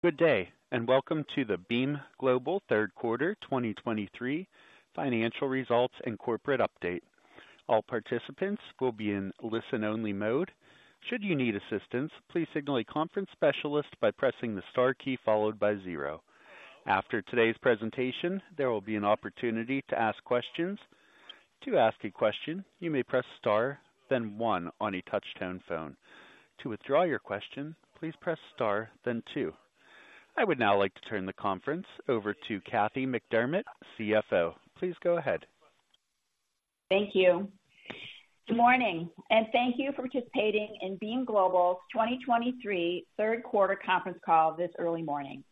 Good day, and welcome to the Beam Global third quarter 2023 financial results and corporate update. All participants will be in listen-only mode. Should you need assistance, please signal a conference specialist by pressing the star key followed by zero. After today's presentation, there will be an opportunity to ask questions. To ask a question, you may press star, then one on a touchtone phone. To withdraw your question, please press star then two. I would now like to turn the conference over to Kathy McDermott, CFO. Please go ahead. Thank you. Good morning, and thank you for participating in Beam Global's 2023 third quarter conference call this early morning.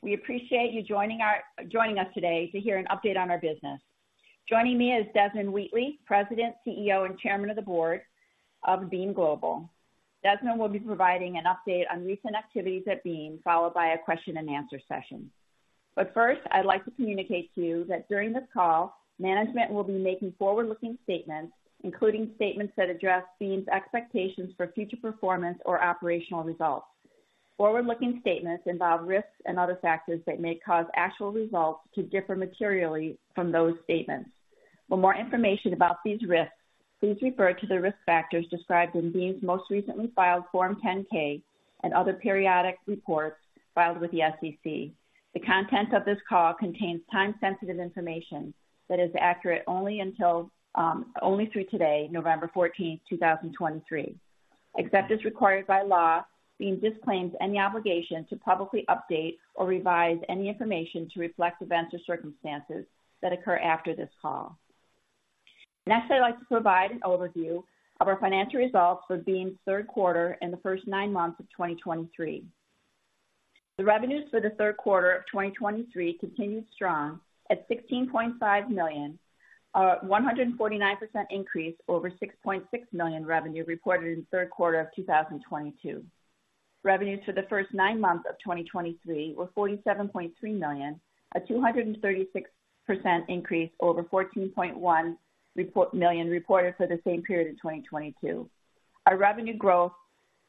We appreciate you joining us today to hear an update on our business. Joining me is Desmond Wheatley, President, CEO, and Chairman of the Board of Beam Global. Desmond will be providing an update on recent activities at Beam, followed by a question and answer session. But first, I'd like to communicate to you that during this call, management will be making forward-looking statements, including statements that address Beam's expectations for future performance or operational results. Forward-looking statements involve risks and other factors that may cause actual results to differ materially from those statements. For more information about these risks, please refer to the risk factors described in Beam's most recently filed Form 10-K and other periodic reports filed with the SEC. The content of this call contains time-sensitive information that is accurate only until, only through today, November 14th, 2023. Except as required by law, Beam disclaims any obligation to publicly update or revise any information to reflect events or circumstances that occur after this call. Next, I'd like to provide an overview of our financial results for Beam's third quarter and the first nine months of 2023. The revenues for the third quarter of 2023 continued strong at $16.5 million, a 149% increase over $6.6 million revenue reported in the third quarter of 2022. Revenues for the first nine months of 2023 were $47.3 million, a 236% increase over $14.1 million reported for the same period in 2022. Our revenue growth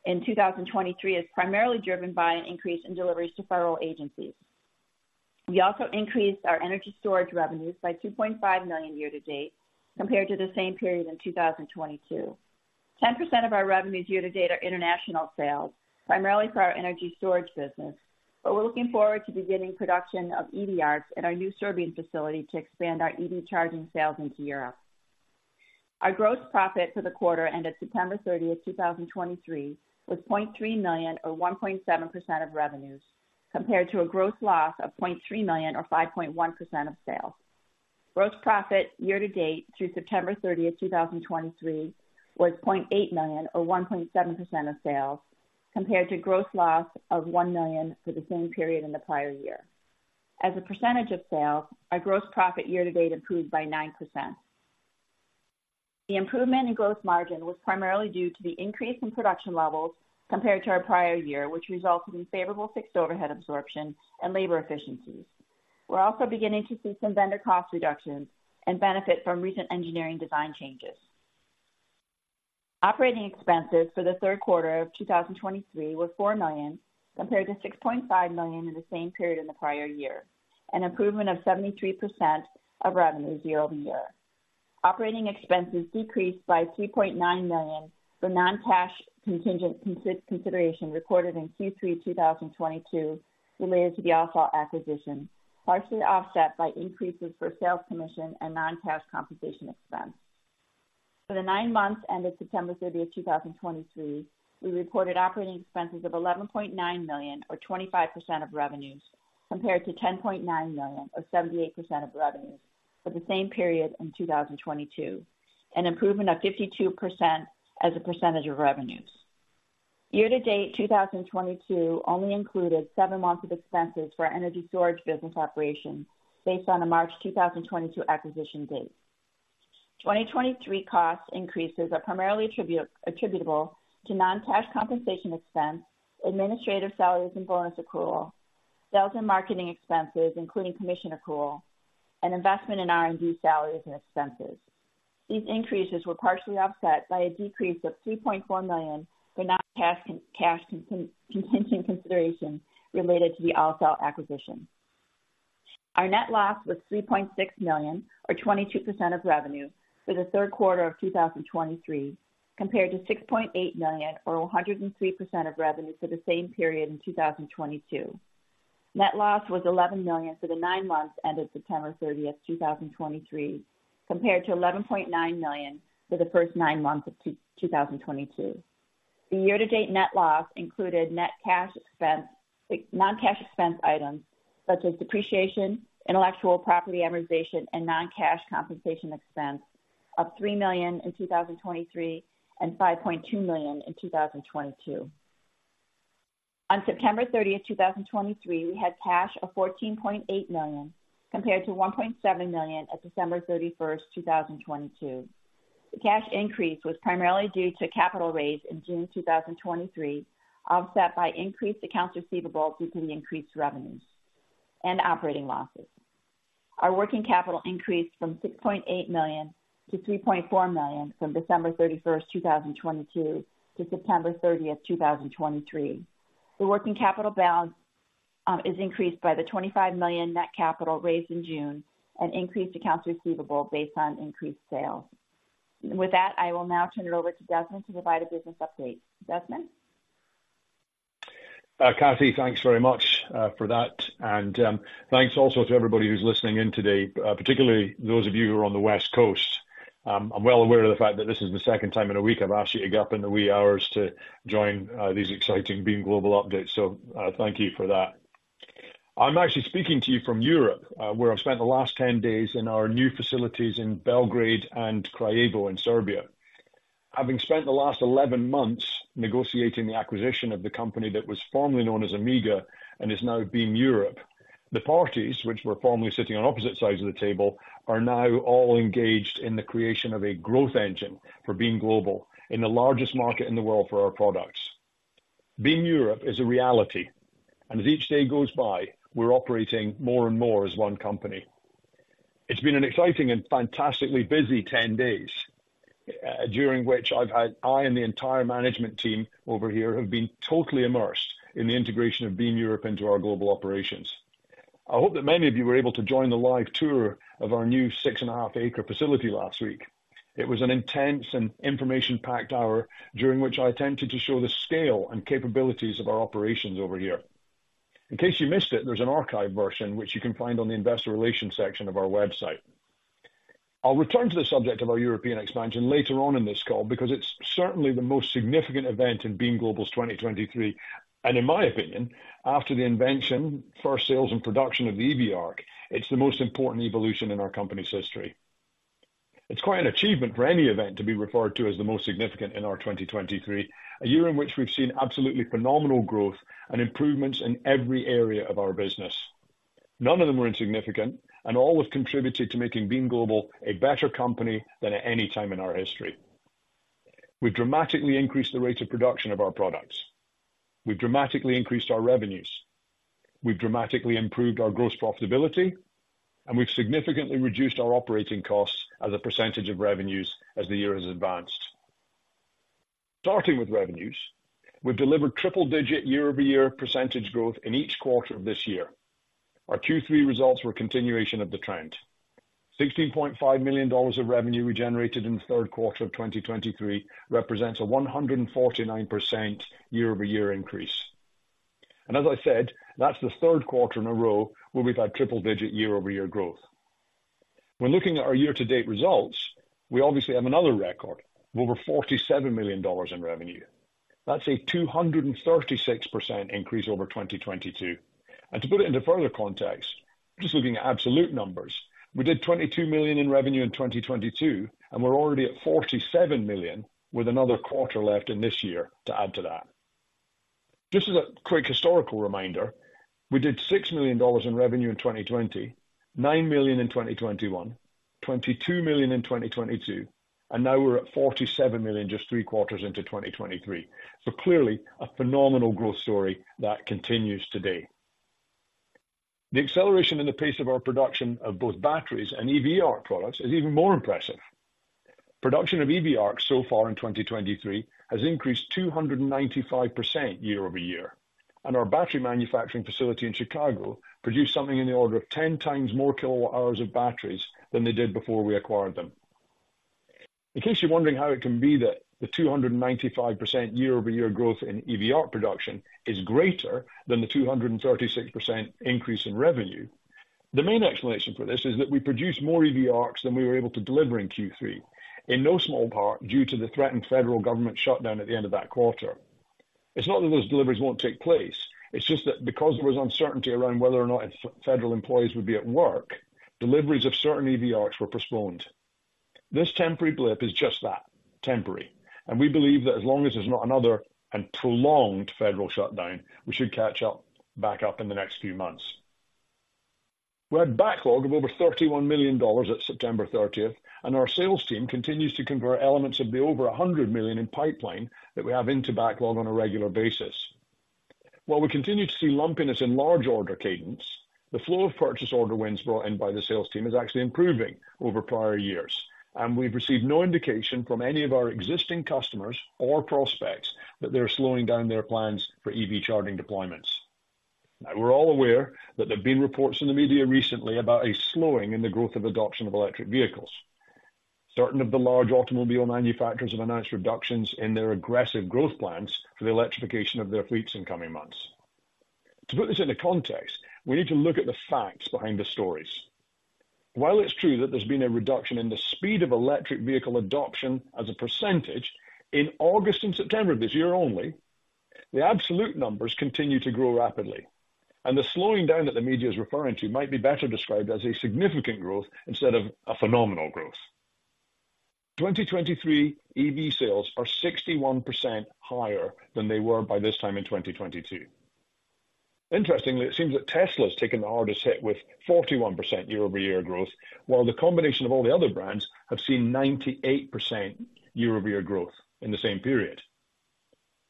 in 2023 is primarily driven by an increase in deliveries to federal agencies. We also increased our energy storage revenues by $2.5 million year to date, compared to the same period in 2022. 10% of our revenues year to date are international sales, primarily for our energy storage business, but we're looking forward to beginning production of EV ARC at our new Serbian facility to expand our EV charging sales into Europe. Our gross profit for the quarter ended September 30th, 2023, was $0.3 million or 1.7% of revenues, compared to a gross loss of $0.3 million or 5.1% of sales. Gross profit year to date through September 30th, 2023, was $0.8 million or 1.7% of sales, compared to gross loss of $1 million for the same period in the prior year. As a percentage of sales, our gross profit year to date improved by 9%. The improvement in gross margin was primarily due to the increase in production levels compared to our prior year, which resulted in favorable fixed overhead absorption and labor efficiencies. We're also beginning to see some vendor cost reductions and benefit from recent engineering design changes. Operating expenses for the third quarter of 2023 were $4 million, compared to $6.5 million in the same period in the prior year, an improvement of 73% of revenues year-over-year. Operating expenses decreased by $3.9 million for non-cash contingent consideration recorded in Q3 2022 related to the AllCell acquisition, partially offset by increases for sales commission and non-cash compensation expense. For the nine months ended September 30th, 2023, we reported operating expenses of $11.9 million or 25% of revenues, compared to $10.9 million or 78% of revenues for the same period in 2022, an improvement of 52% as a percentage of revenues. Year to date, 2022 only included seven months of expenses for our energy storage business operations, based on a March 2022 acquisition date. 2023 cost increases are primarily attributable to non-cash compensation expense, administrative salaries and bonus accrual, sales and marketing expenses, including commission accrual and investment in R&D salaries and expenses. These increases were partially offset by a decrease of $3.4 million for non-cash contingent consideration related to the AllCell acquisition. Our net loss was $3.6 million or 22% of revenue for the third quarter of 2023, compared to $6.8 million or 103% of revenue for the same period in 2022. Net loss was $11 million for the nine months ended September 30th, 2023, compared to $11.9 million for the first nine months of 2022. The year-to-date net loss included net cash expense, non-cash expense items such as depreciation, intellectual property amortization, and non-cash compensation expense of $3 million in 2023, and $5.2 million in 2022. On September 30th, 2023, we had cash of $14.8 million, compared to $1.7 million as of December 31st, 2022. The cash increase was primarily due to a capital raise in June 2023, offset by increased accounts receivable due to the increased revenues and operating losses. Our working capital increased from $6.8 million-$3.4 million from December 31st, 2022 to September 30th, 2023. The working capital balance is increased by the $25 million net capital raised in June and increased accounts receivable based on increased sales. With that, I will now turn it over to Desmond to provide a business update. Desmond? Kathy, thanks very much for that. Thanks also to everybody who's listening in today, particularly those of you who are on the West Coast. I'm well aware of the fact that this is the second time in a week I've asked you to get up in the wee hours to join these exciting Beam Global updates. Thank you for that. I'm actually speaking to you from Europe, where I've spent the last 10 days in our new facilities in Belgrade and Kraljevo in Serbia. Having spent the last 11 months negotiating the acquisition of the company that was formerly known as Amiga and is now Beam Europe, the parties, which were formerly sitting on opposite sides of the table, are now all engaged in the creation of a growth engine for Beam Global in the largest market in the world for our products. Beam Europe is a reality, and as each day goes by, we're operating more and more as one company. It's been an exciting and fantastically busy 10 days, during which I and the entire management team over here have been totally immersed in the integration of Beam Europe into our global operations. I hope that many of you were able to join the live tour of our new 6.5-acre facility last week. It was an intense and information-packed hour, during which I attempted to show the scale and capabilities of our operations over here. In case you missed it, there's an archive version, which you can find on the Investor Relations section of our website. I'll return to the subject of our European expansion later on in this call because it's certainly the most significant event in Beam Global's 2023, and in my opinion, after the invention, first sales, and production of the EV ARC, it's the most important evolution in our company's history. It's quite an achievement for any event to be referred to as the most significant in our 2023, a year in which we've seen absolutely phenomenal growth and improvements in every area of our business. None of them were insignificant, and all have contributed to making Beam Global a better company than at any time in our history. We've dramatically increased the rate of production of our products. We've dramatically increased our revenues. We've dramatically improved our gross profitability, and we've significantly reduced our operating costs as a percentage of revenues as the year has advanced. Starting with revenues, we've delivered triple-digit year-over-year percentage growth in each quarter of this year. Our Q3 results were a continuation of the trend. $16.5 million of revenue we generated in the third quarter of 2023 represents a 149% year-over-year increase. And as I said, that's the third quarter in a row where we've had triple-digit year-over-year growth. When looking at our year-to-date results, we obviously have another record of over $47 million in revenue. That's a 236% increase over 2022. To put it into further context, just looking at absolute numbers, we did $22 million in revenue in 2022, and we're already at $47 million, with another quarter left in this year to add to that. Just as a quick historical reminder, we did $6 million in revenue in 2020, $9 million in 2021, $22 million in 2022, and now we're at $47 million, just three quarters into 2023. So clearly, a phenomenal growth story that continues today. The acceleration in the pace of our production of both batteries and EV ARC products is even more impressive. Production of EV ARC so far in 2023 has increased 295% year-over-year, and our battery manufacturing facility in Chicago produced something in the order of 10 times more kWh of batteries than they did before we acquired them. In case you're wondering how it can be that the 295% year-over-year growth in EV ARC production is greater than the 236% increase in revenue, the main explanation for this is that we produced more EV ARC than we were able to deliver in Q3, in no small part, due to the threatened federal government shutdown at the end of that quarter. It's not that those deliveries won't take place. It's just that because there was uncertainty around whether or not if federal employees would be at work, deliveries of certain EV ARC were postponed. This temporary blip is just that, temporary, and we believe that as long as there's not another and prolonged federal shutdown, we should catch up, back up in the next few months. We had backlog of over $31 million at September 30th, and our sales team continues to convert elements of the over $100 million in pipeline that we have into backlog on a regular basis. While we continue to see lumpiness in large order cadence, the flow of purchase order wins brought in by the sales team is actually improving over prior years. And we've received no indication from any of our existing customers or prospects that they're slowing down their plans for EV charging deployments. Now, we're all aware that there have been reports in the media recently about a slowing in the growth of adoption of electric vehicles. Certain of the large automobile manufacturers have announced reductions in their aggressive growth plans for the electrification of their fleets in coming months. To put this into context, we need to look at the facts behind the stories. While it's true that there's been a reduction in the speed of electric vehicle adoption as a percentage, in August and September of this year only, the absolute numbers continue to grow rapidly, and the slowing down that the media is referring to might be better described as a significant growth instead of a phenomenal growth. 2023 EV sales are 61% higher than they were by this time in 2022. Interestingly, it seems that Tesla has taken the hardest hit with 41% year-over-year growth, while the combination of all the other brands have seen 98% year-over-year growth in the same period....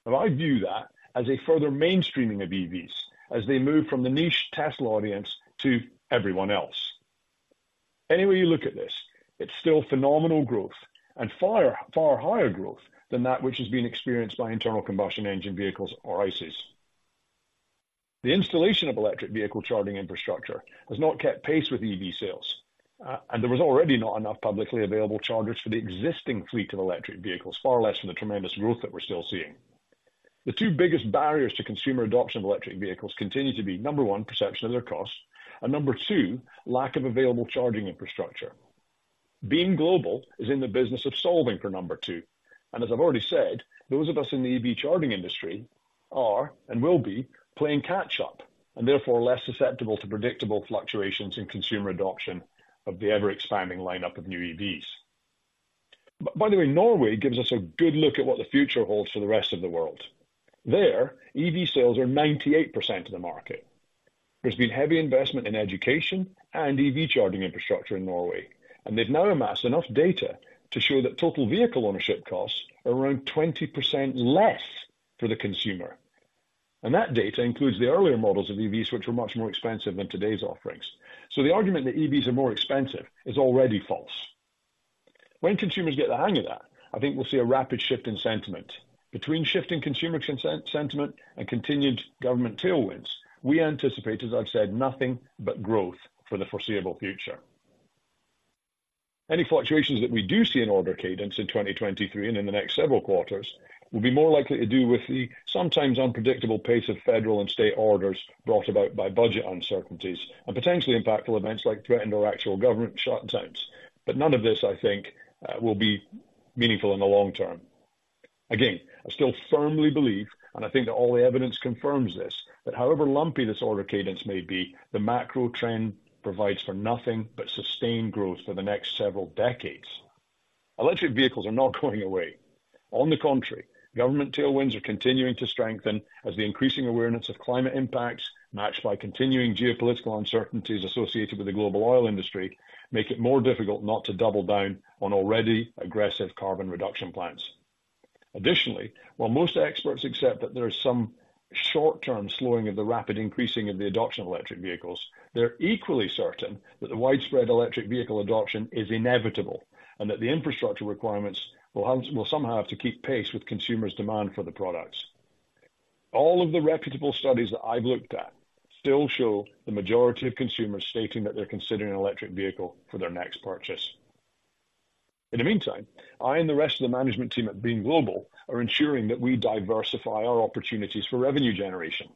But I view that as a further mainstreaming of EVs as they move from the niche Tesla audience to everyone else. Any way you look at this, it's still phenomenal growth and far, far higher growth than that which has been experienced by internal combustion engine vehicles or ICEs. The installation of electric vehicle charging infrastructure has not kept pace with EV sales, and there was already not enough publicly available chargers for the existing fleet of electric vehicles, far less from the tremendous growth that we're still seeing. The two biggest barriers to consumer adoption of electric vehicles continue to be, number one, perception of their costs, and number two, lack of available charging infrastructure. Beam Global is in the business of solving for number two, and as I've already said, those of us in the EV charging industry are and will be playing catch up, and therefore less susceptible to predictable fluctuations in consumer adoption of the ever-expanding lineup of new EVs. But by the way, Norway gives us a good look at what the future holds for the rest of the world. There, EV sales are 98% of the market. There's been heavy investment in education and EV charging infrastructure in Norway, and they've now amassed enough data to show that total vehicle ownership costs are around 20% less for the consumer. And that data includes the earlier models of EVs, which were much more expensive than today's offerings. So the argument that EVs are more expensive is already false. When consumers get the hang of that, I think we'll see a rapid shift in sentiment. Between shifting consumer sentiment and continued government tailwinds, we anticipate, as I've said, nothing but growth for the foreseeable future. Any fluctuations that we do see in order cadence in 2023 and in the next several quarters, will be more likely to do with the sometimes unpredictable pace of federal and state orders brought about by budget uncertainties and potentially impactful events like threatened or actual government shutdowns. But none of this, I think, will be meaningful in the long term. Again, I still firmly believe, and I think that all the evidence confirms this, that however lumpy this order cadence may be, the macro trend provides for nothing but sustained growth for the next several decades. Electric vehicles are not going away. On the contrary, government tailwinds are continuing to strengthen as the increasing awareness of climate impacts, matched by continuing geopolitical uncertainties associated with the global oil industry, make it more difficult not to double down on already aggressive carbon reduction plans. Additionally, while most experts accept that there is some short-term slowing of the rapid increasing of the adoption of electric vehicles, they're equally certain that the widespread electric vehicle adoption is inevitable, and that the infrastructure requirements will somehow have to keep pace with consumers' demand for the products. All of the reputable studies that I've looked at still show the majority of consumers stating that they're considering an electric vehicle for their next purchase. In the meantime, I and the rest of the management team at Beam Global are ensuring that we diversify our opportunities for revenue generation.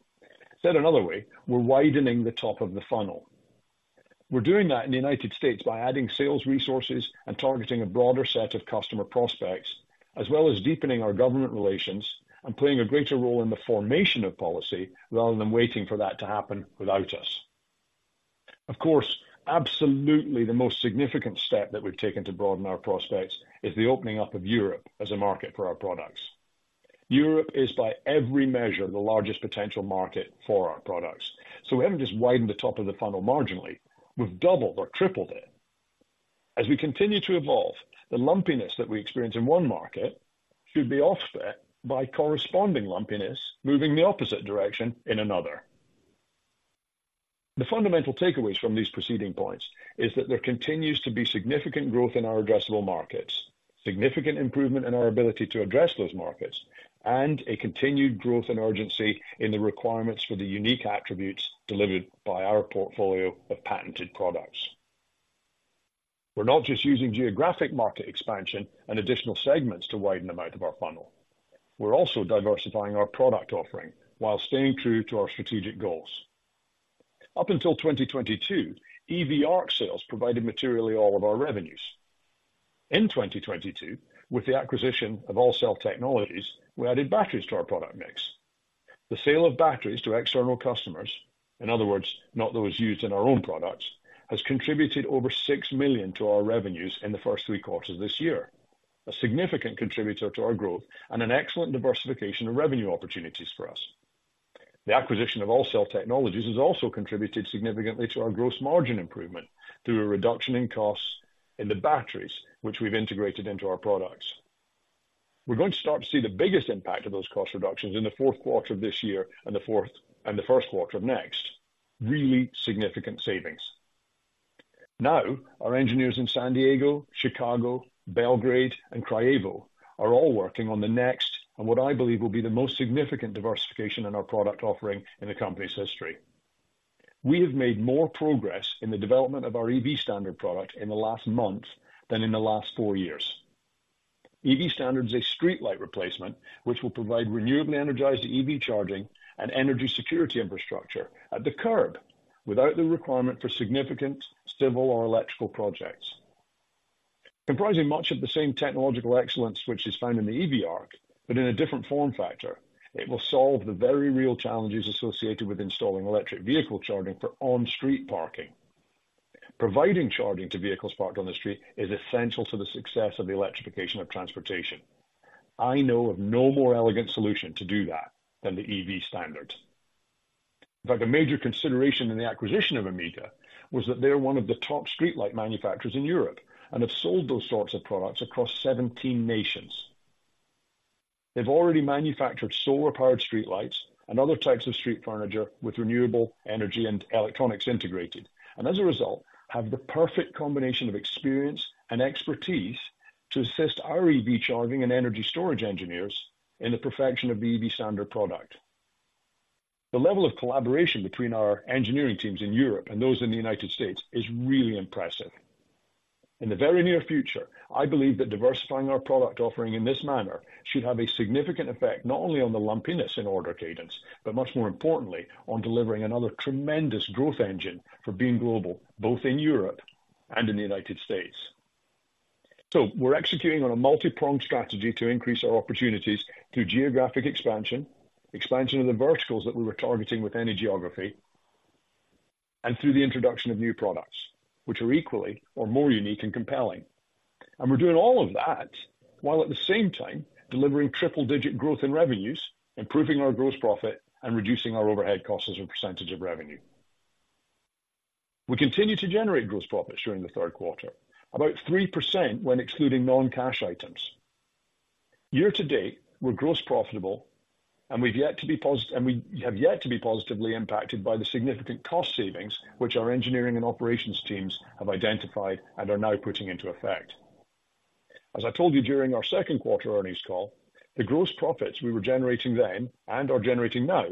Said another way, we're widening the top of the funnel. We're doing that in the United States by adding sales resources and targeting a broader set of customer prospects, as well as deepening our government relations and playing a greater role in the formation of policy, rather than waiting for that to happen without us. Of course, absolutely the most significant step that we've taken to broaden our prospects is the opening up of Europe as a market for our products. Europe is, by every measure, the largest potential market for our products. So we haven't just widened the top of the funnel marginally, we've doubled or tripled it. As we continue to evolve, the lumpiness that we experience in one market should be offset by corresponding lumpiness moving the opposite direction in another. The fundamental takeaways from these preceding points is that there continues to be significant growth in our addressable markets, significant improvement in our ability to address those markets, and a continued growth and urgency in the requirements for the unique attributes delivered by our portfolio of patented products. We're not just using geographic market expansion and additional segments to widen the mouth of our funnel, we're also diversifying our product offering while staying true to our strategic goals. Up until 2022, EV ARC sales provided materially all of our revenues. In 2022, with the acquisition of AllCell Technologies, we added batteries to our product mix. The sale of batteries to external customers, in other words, not those used in our own products, has contributed over $6 million to our revenues in the first three quarters of this year, a significant contributor to our growth and an excellent diversification of revenue opportunities for us. The acquisition of AllCell Technologies has also contributed significantly to our gross margin improvement through a reduction in costs in the batteries, which we've integrated into our products. We're going to start to see the biggest impact of those cost reductions in the fourth quarter of this year and the first quarter of next. Really significant savings. Now, our engineers in San Diego, Chicago, Belgrade, and Kraljevo are all working on the next, and what I believe will be the most significant diversification in our product offering in the company's history. We have made more progress in the development of our EV Standard product in the last month than in the last four years. EV Standard is a streetlight replacement, which will provide renewably energized EV charging and energy security infrastructure at the curb, without the requirement for significant civil or electrical projects. Comprising much of the same technological excellence, which is found in the EV ARC, but in a different form factor, it will solve the very real challenges associated with installing electric vehicle charging for on-street parking. Providing charging to vehicles parked on the street is essential to the success of the electrification of transportation. I know of no more elegant solution to do that than the EV Standard. In fact, a major consideration in the acquisition of Amiga was that they're one of the top streetlight manufacturers in Europe, and have sold those sorts of products across 17 nations. They've already manufactured solar-powered streetlights and other types of street furniture with renewable energy and electronics integrated, and as a result, have the perfect combination of experience and expertise to assist our EV charging and energy storage engineers in the perfection of the EV Standard product. The level of collaboration between our engineering teams in Europe and those in the United States is really impressive. In the very near future, I believe that diversifying our product offering in this manner should have a significant effect, not only on the lumpiness in order cadence, but much more importantly, on delivering another tremendous growth engine for Beam Global, both in Europe and in the United States. So we're executing on a multi-pronged strategy to increase our opportunities through geographic expansion, expansion of the verticals that we were targeting with any geography, and through the introduction of new products, which are equally or more unique and compelling. And we're doing all of that while at the same time delivering triple-digit growth in revenues, improving our gross profit, and reducing our overhead costs as a percentage of revenue. We continued to generate gross profits during the third quarter, about 3% when excluding non-cash items. Year to date, we're gross profitable, and we've yet to be positively impacted by the significant cost savings, which our engineering and operations teams have identified and are now putting into effect. As I told you during our second quarter earnings call, the gross profits we were generating then and are generating now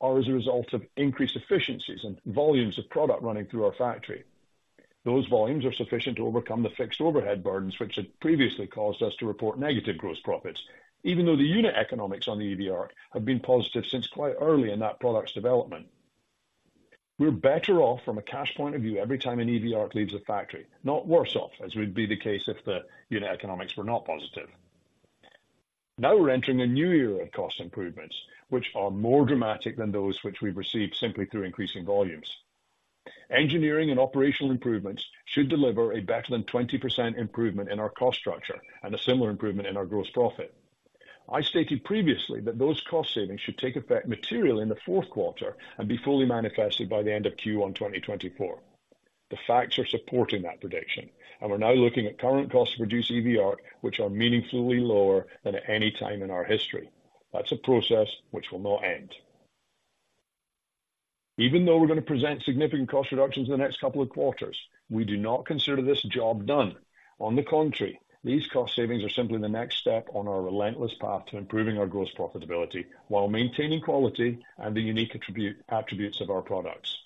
are as a result of increased efficiencies and volumes of product running through our factory. Those volumes are sufficient to overcome the fixed overhead burdens, which had previously caused us to report negative gross profits, even though the unit economics on the EV ARC have been positive since quite early in that product's development. We're better off from a cash point of view every time an EV ARC leaves a factory, not worse off, as would be the case if the unit economics were not positive. Now we're entering a new era of cost improvements, which are more dramatic than those which we've received simply through increasing volumes. Engineering and operational improvements should deliver a better than 20% improvement in our cost structure and a similar improvement in our gross profit. I stated previously that those cost savings should take effect materially in the fourth quarter and be fully manifested by the end of Q1 2024. The facts are supporting that prediction, and we're now looking at current costs to produce EV ARC, which are meaningfully lower than at any time in our history. That's a process which will not end. Even though we're going to present significant cost reductions in the next couple of quarters, we do not consider this job done. On the contrary, these cost savings are simply the next step on our relentless path to improving our gross profitability while maintaining quality and the unique attribute, attributes of our products.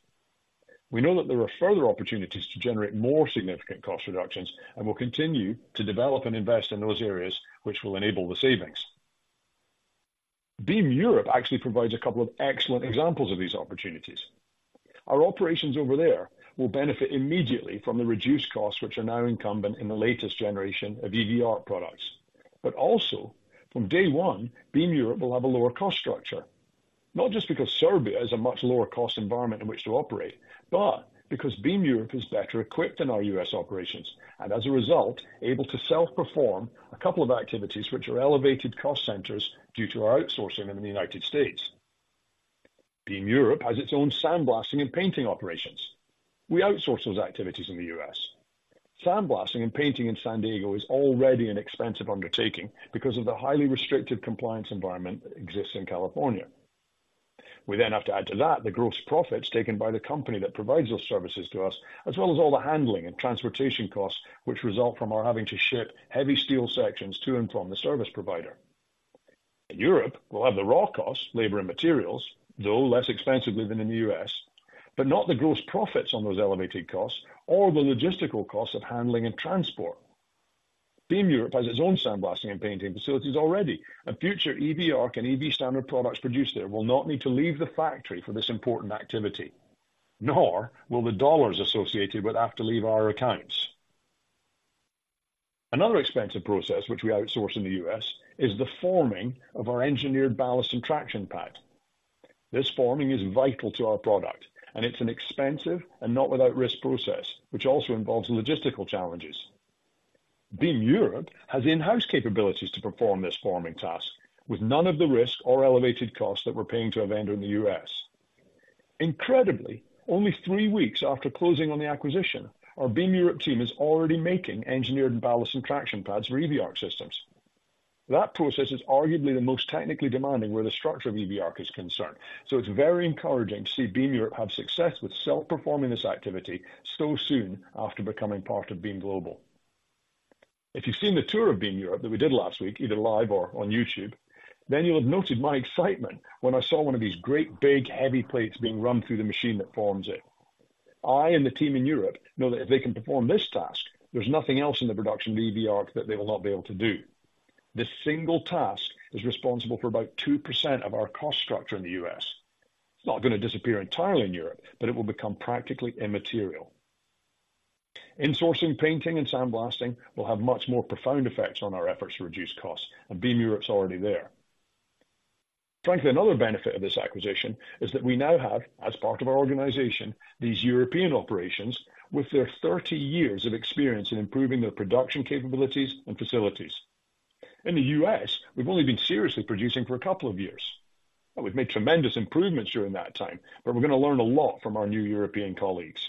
We know that there are further opportunities to generate more significant cost reductions, and we'll continue to develop and invest in those areas which will enable the savings. Beam Europe actually provides a couple of excellent examples of these opportunities. Our operations over there will benefit immediately from the reduced costs, which are now incumbent in the latest generation of EV ARC products. But also, from day one, Beam Europe will have a lower cost structure. Not just because Serbia is a much lower cost environment in which to operate, but because Beam Europe is better equipped than our U.S. operations, and as a result, able to self-perform a couple of activities which are elevated cost centers due to our outsourcing in the United States. Beam Europe has its own sandblasting and painting operations. We outsource those activities in the U.S. Sandblasting and painting in San Diego is already an expensive undertaking because of the highly restrictive compliance environment that exists in California. We then have to add to that, the gross profits taken by the company that provides those services to us, as well as all the handling and transportation costs, which result from our having to ship heavy steel sections to and from the service provider. In Europe, we'll have the raw costs, labor, and materials, though less expensively than in the U.S., but not the gross profits on those elevated costs or the logistical costs of handling and transport. Beam Europe has its own sandblasting and painting facilities already, and future EV ARC and EV Standard products produced there will not need to leave the factory for this important activity, nor will the dollars associated with have to leave our accounts. Another expensive process, which we outsource in the U.S., is the forming of our engineered ballast and traction pad. This forming is vital to our product, and it's an expensive and not without risk process, which also involves logistical challenges. Beam Europe has in-house capabilities to perform this forming task with none of the risk or elevated costs that we're paying to a vendor in the U.S. Incredibly, only three weeks after closing on the acquisition, our Beam Europe team is already making engineered ballast and traction pads for EV ARC systems. That process is arguably the most technically demanding where the structure of EV ARC is concerned, so it's very encouraging to see Beam Europe have success with self-performing this activity so soon after becoming part of Beam Global. If you've seen the tour of Beam Europe that we did last week, either live or on YouTube, then you'll have noted my excitement when I saw one of these great, big, heavy plates being run through the machine that forms it. I and the team in Europe know that if they can perform this task, there's nothing else in the production of EV ARC that they will not be able to do. This single task is responsible for about 2% of our cost structure in the U.S. It's not going to disappear entirely in Europe, but it will become practically immaterial. In sourcing, painting, and sandblasting, we'll have much more profound effects on our efforts to reduce costs, and Beam Europe's already there. Frankly, another benefit of this acquisition is that we now have, as part of our organization, these European operations with their 30 years of experience in improving their production capabilities and facilities. In the U.S., we've only been seriously producing for a couple of years, and we've made tremendous improvements during that time, but we're gonna learn a lot from our new European colleagues.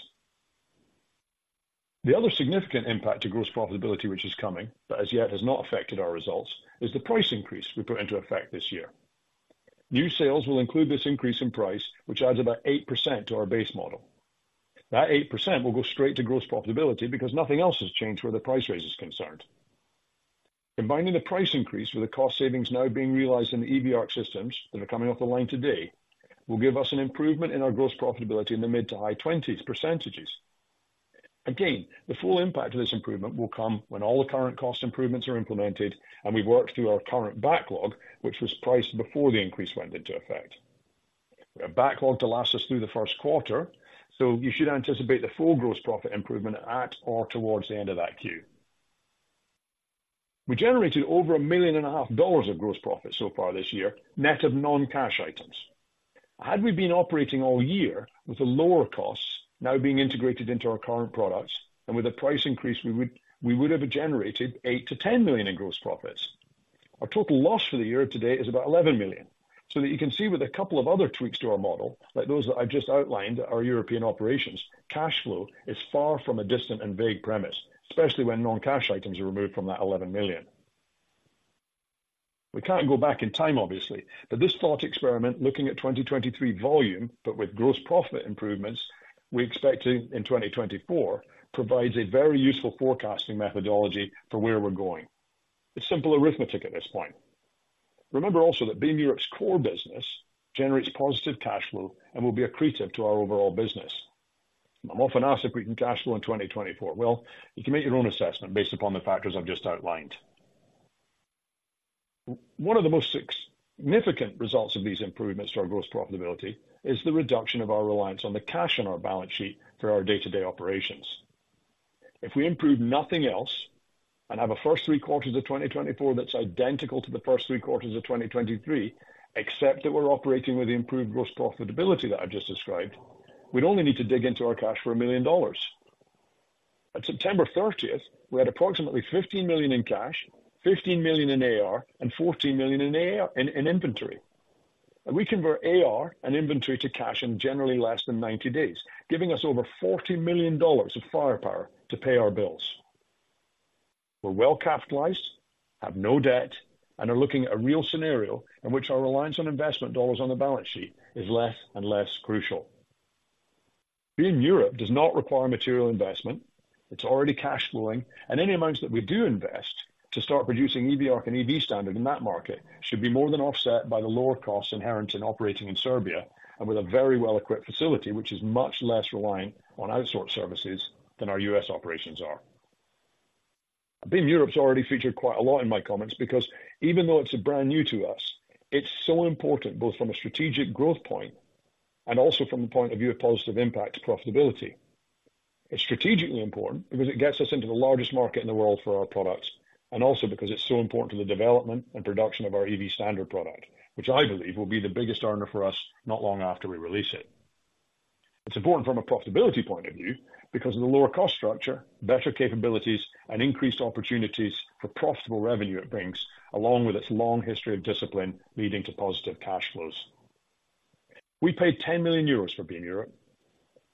The other significant impact to gross profitability, which is coming, but as yet has not affected our results, is the price increase we put into effect this year. New sales will include this increase in price, which adds about 8% to our base model. That 8% will go straight to gross profitability because nothing else has changed where the price raise is concerned. Combining the price increase with the cost savings now being realized in the EV ARC systems that are coming off the line today, will give us an improvement in our gross profitability in the mid- to high-20s percentages. Again, the full impact of this improvement will come when all the current cost improvements are implemented, and we've worked through our current backlog, which was priced before the increase went into effect. We have backlog to last us through the first quarter, so you should anticipate the full gross profit improvement at or towards the end of that queue. We generated over $1.5 million of gross profit so far this year, net of non-cash items. Had we been operating all year with the lower costs now being integrated into our current products and with the price increase, we would, we would have generated $8 million-$10 million in gross profits. Our total loss for the year to date is about $11 million, so that you can see with a couple of other tweaks to our model, like those that I've just outlined, our European operations, cash flow is far from a distant and vague premise, especially when non-cash items are removed from that $11 million. We can't go back in time, obviously, but this thought experiment, looking at 2023 volume, but with gross profit improvements we expect in, in 2024, provides a very useful forecasting methodology for where we're going. It's simple arithmetic at this point. Remember also that Beam Europe's core business generates positive cash flow and will be accretive to our overall business. I'm often asked if we can cash flow in 2024. Well, you can make your own assessment based upon the factors I've just outlined. One of the most significant results of these improvements to our gross profitability is the reduction of our reliance on the cash on our balance sheet for our day-to-day operations. If we improve nothing else and have a first three quarters of 2024, that's identical to the first three quarters of 2023, except that we're operating with the improved gross profitability that I've just described, we'd only need to dig into our cash for $1 million. At September 30th, we had approximately $15 million in cash, $15 million in AR, and $14 million in inventory. We convert AR and inventory to cash in generally less than 90 days, giving us over $40 million of firepower to pay our bills. We're well capitalized, have no debt, and are looking at a real scenario in which our reliance on investment dollars on the balance sheet is less and less crucial. Beam Europe does not require material investment. It's already cash flowing, and any amounts that we do invest to start producing EV ARC and EV Standard in that market should be more than offset by the lower costs inherent in operating in Serbia and with a very well-equipped facility, which is much less reliant on outsourced services than our U.S. operations are. Beam Europe's already featured quite a lot in my comments because even though it's brand new to us, it's so important, both from a strategic growth point and also from the point of view of positive impact to profitability. It's strategically important because it gets us into the largest market in the world for our products and also because it's so important to the development and production of our EV Standard product, which I believe will be the biggest earner for us not long after we release it. It's important from a profitability point of view because of the lower cost structure, better capabilities, and increased opportunities for profitable revenue it brings, along with its long history of discipline leading to positive cash flows. We paid 10 million euros for Beam Europe.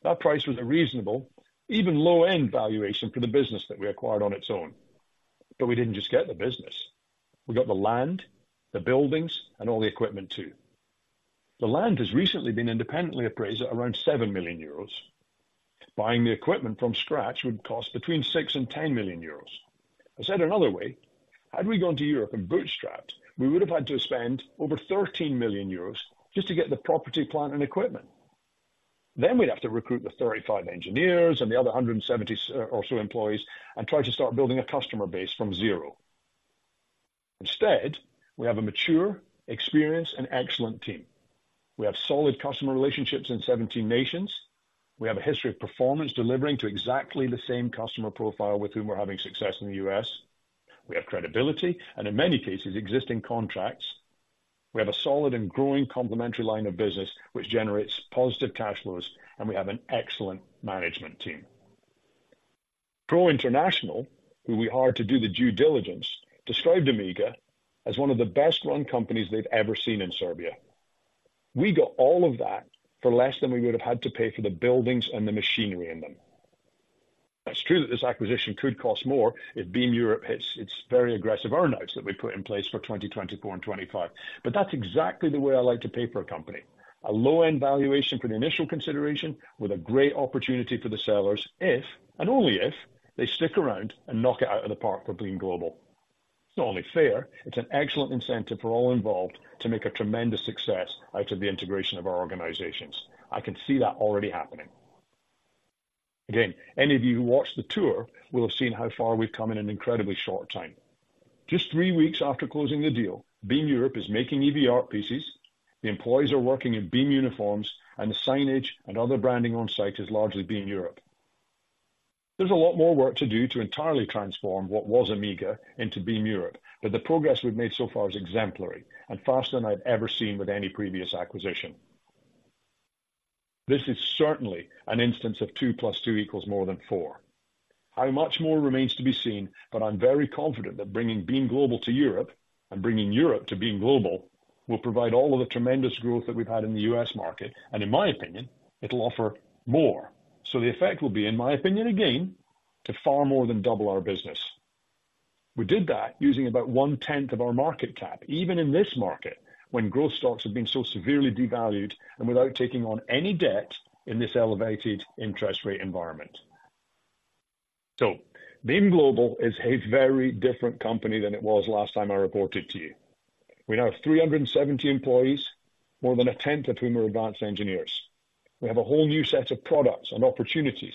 That price was a reasonable, even low-end valuation for the business that we acquired on its own. But we didn't just get the business, we got the land, the buildings, and all the equipment too. The land has recently been independently appraised at around 7 million euros. Buying the equipment from scratch would cost between 6 million and 10 million euros. I said another way, had we gone to Europe and bootstrapped, we would have had to spend over 13 million euros just to get the property, plant, and equipment. Then we'd have to recruit the 35 engineers and the other 170 or so employees and try to start building a customer base from zero. Instead, we have a mature, experienced, and excellent team. We have solid customer relationships in 17 nations. We have a history of performance, delivering to exactly the same customer profile with whom we're having success in the U.S. We have credibility and, in many cases, existing contracts. We have a solid and growing complementary line of business, which generates positive cash flows, and we have an excellent management team. Crowe International, who we hired to do the due diligence, described Amiga as one of the best-run companies they've ever seen in Serbia. We got all of that for less than we would have had to pay for the buildings and the machinery in them. It's true that this acquisition could cost more if Beam Europe hits its very aggressive earnouts that we put in place for 2024 and 2025, but that's exactly the way I like to pay for a company. A low-end valuation for the initial consideration, with a great opportunity for the sellers if, and only if, they stick around and knock it out of the park for Beam Global. It's not only fair, it's an excellent incentive for all involved to make a tremendous success out of the integration of our organizations. I can see that already happening. Again, any of you who watched the tour will have seen how far we've come in an incredibly short time. Just three weeks after closing the deal, Beam Europe is making EV ARC pieces, the employees are working in Beam uniforms, and the signage and other branding on site is largely Beam Europe. There's a lot more work to do to entirely transform what was Amiga into Beam Europe, but the progress we've made so far is exemplary and faster than I've ever seen with any previous acquisition. This is certainly an instance of two plus two equals more than four. How much more remains to be seen, but I'm very confident that bringing Beam Global to Europe and bringing Europe to Beam Global will provide all of the tremendous growth that we've had in the U.S. market, and in my opinion, it'll offer more. So the effect will be, in my opinion, again, to far more than double our business. We did that using about one tenth of our market cap, even in this market, when growth stocks have been so severely devalued and without taking on any debt in this elevated interest rate environment. So Beam Global is a very different company than it was last time I reported to you. We now have 370 employees, more than a tenth of whom are advanced engineers. We have a whole new set of products and opportunities,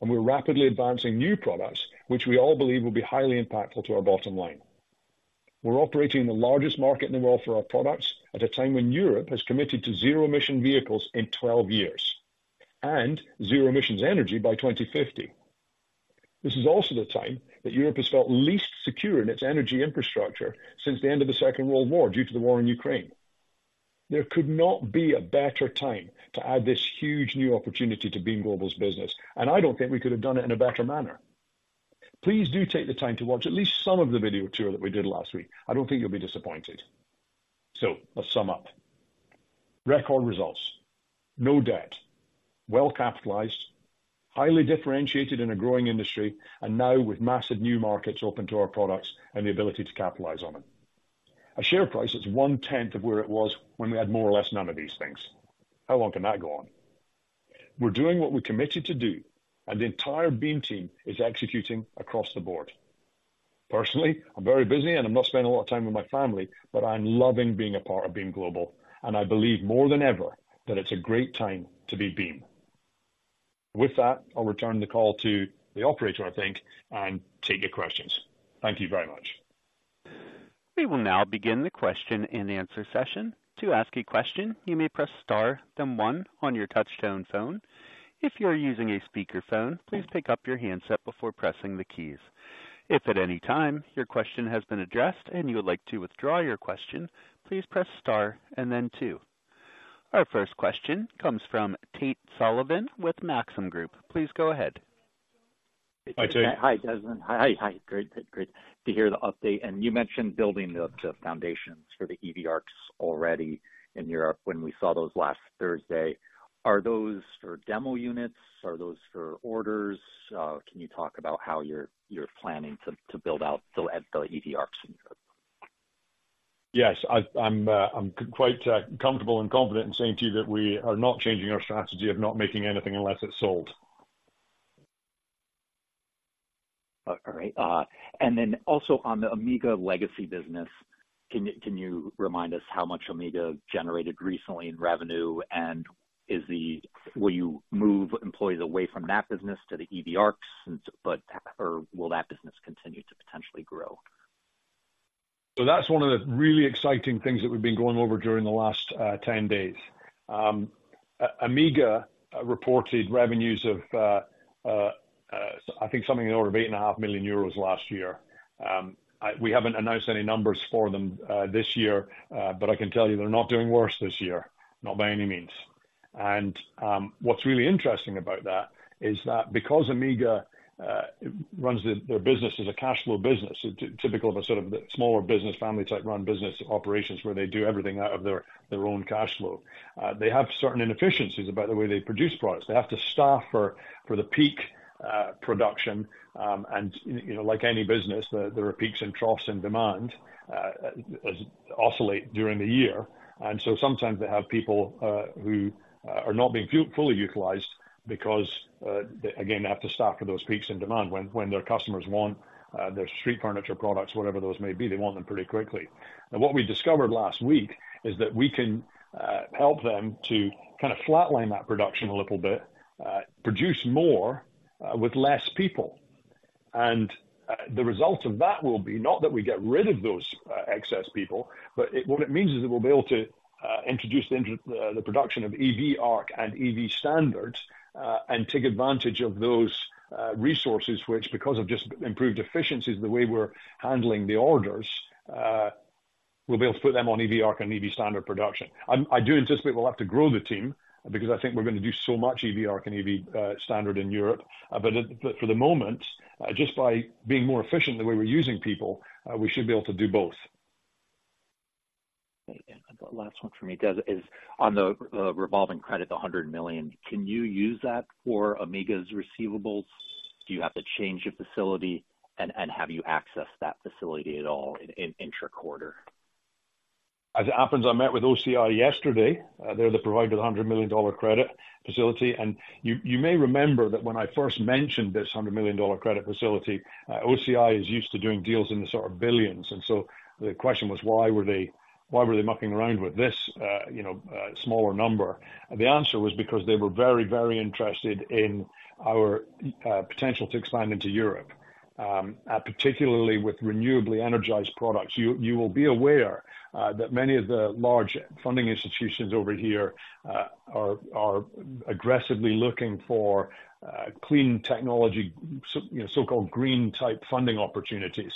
and we're rapidly advancing new products, which we all believe will be highly impactful to our bottom line. We're operating in the largest market in the world for our products, at a time when Europe has committed to zero emission vehicles in 12 years and zero emissions energy by 2050. This is also the time that Europe has felt least secure in its energy infrastructure since the end of the Second World War, due to the war in Ukraine. There could not be a better time to add this huge new opportunity to Beam Global's business, and I don't think we could have done it in a better manner. Please do take the time to watch at least some of the video tour that we did last week. I don't think you'll be disappointed. So let's sum up. Record results, no debt, well capitalized, highly differentiated in a growing industry, and now with massive new markets open to our products and the ability to capitalize on it. A share price that's one tenth of where it was when we had more or less none of these things. How long can that go on? We're doing what we're committed to do, and the entire Beam team is executing across the board. Personally, I'm very busy and I'm not spending a lot of time with my family, but I'm loving being a part of Beam Global, and I believe more than ever, that it's a great time to be Beam. With that, I'll return the call to the operator, I think, and take your questions. Thank you very much. We will now begin the question and answer session. To ask a question, you may press star, then one on your touchtone phone. If you are using a speakerphone, please pick up your handset before pressing the keys. If at any time your question has been addressed and you would like to withdraw your question, please press star and then two. Our first question comes from Tate Sullivan with Maxim Group. Please go ahead. Hi, Tate. Hi, Desmond. Hi. Hi. Great to hear the update. You mentioned building the foundations for the EV ARCs already in Europe when we saw those last Thursday. Are those for demo units? Are those for orders? Can you talk about how you're planning to build out the EV ARCs in Europe? Yes, I'm quite comfortable and confident in saying to you that we are not changing our strategy of not making anything unless it's sold. All right. And then also on the Amiga legacy business, can you, can you remind us how much Amiga generated recently in revenue? And is the... Will you move employees away from that business to the EV ARCs, but or will that business continue to potentially grow? So that's one of the really exciting things that we've been going over during the last 10 days. Amiga reported revenues of I think something in order of 8.5 million euros last year. We haven't announced any numbers for them this year, but I can tell you they're not doing worse this year, not by any means. And what's really interesting about that is that because Amiga runs their business as a cash flow business, typical of a sort of smaller business, family type run business operations, where they do everything out of their own cash flow. They have certain inefficiencies about the way they produce products. They have to staff for the peak production. And, you know, like any business, there are peaks and troughs in demand as oscillate during the year. And so sometimes they have people who are not being fully utilized because they again, they have to staff for those peaks in demand when their customers want their street furniture products, whatever those may be, they want them pretty quickly. And what we discovered last week is that we can help them to kind of flatline that production a little bit, produce more with less people. The result of that will be not that we get rid of those excess people, but what it means is that we'll be able to introduce the production of EV ARC and EV Standard and take advantage of those resources, which, because of just improved efficiencies, the way we're handling the orders, we'll be able to put them on EV ARC and EV Standard production. I do anticipate we'll have to grow the team because I think we're going to do so much EV ARC and EV Standard in Europe. But for the moment, just by being more efficient in the way we're using people, we should be able to do both. Okay. The last one from me, Des, is on the revolving credit, the $100 million. Can you use that for Amiga's receivables? Do you have to change your facility, and have you accessed that facility at all in intraquarter? As it happens, I met with OCI yesterday. They're the provider of the $100 million credit facility. You may remember that when I first mentioned this $100 million credit facility, OCI is used to doing deals in the sort of billions. So the question was: Why were they mucking around with this smaller number? The answer was because they were very, very interested in our potential to expand into Europe, particularly with renewably energized products. You will be aware that many of the large funding institutions over here are aggressively looking for clean technology, so, you know, so-called green type funding opportunities.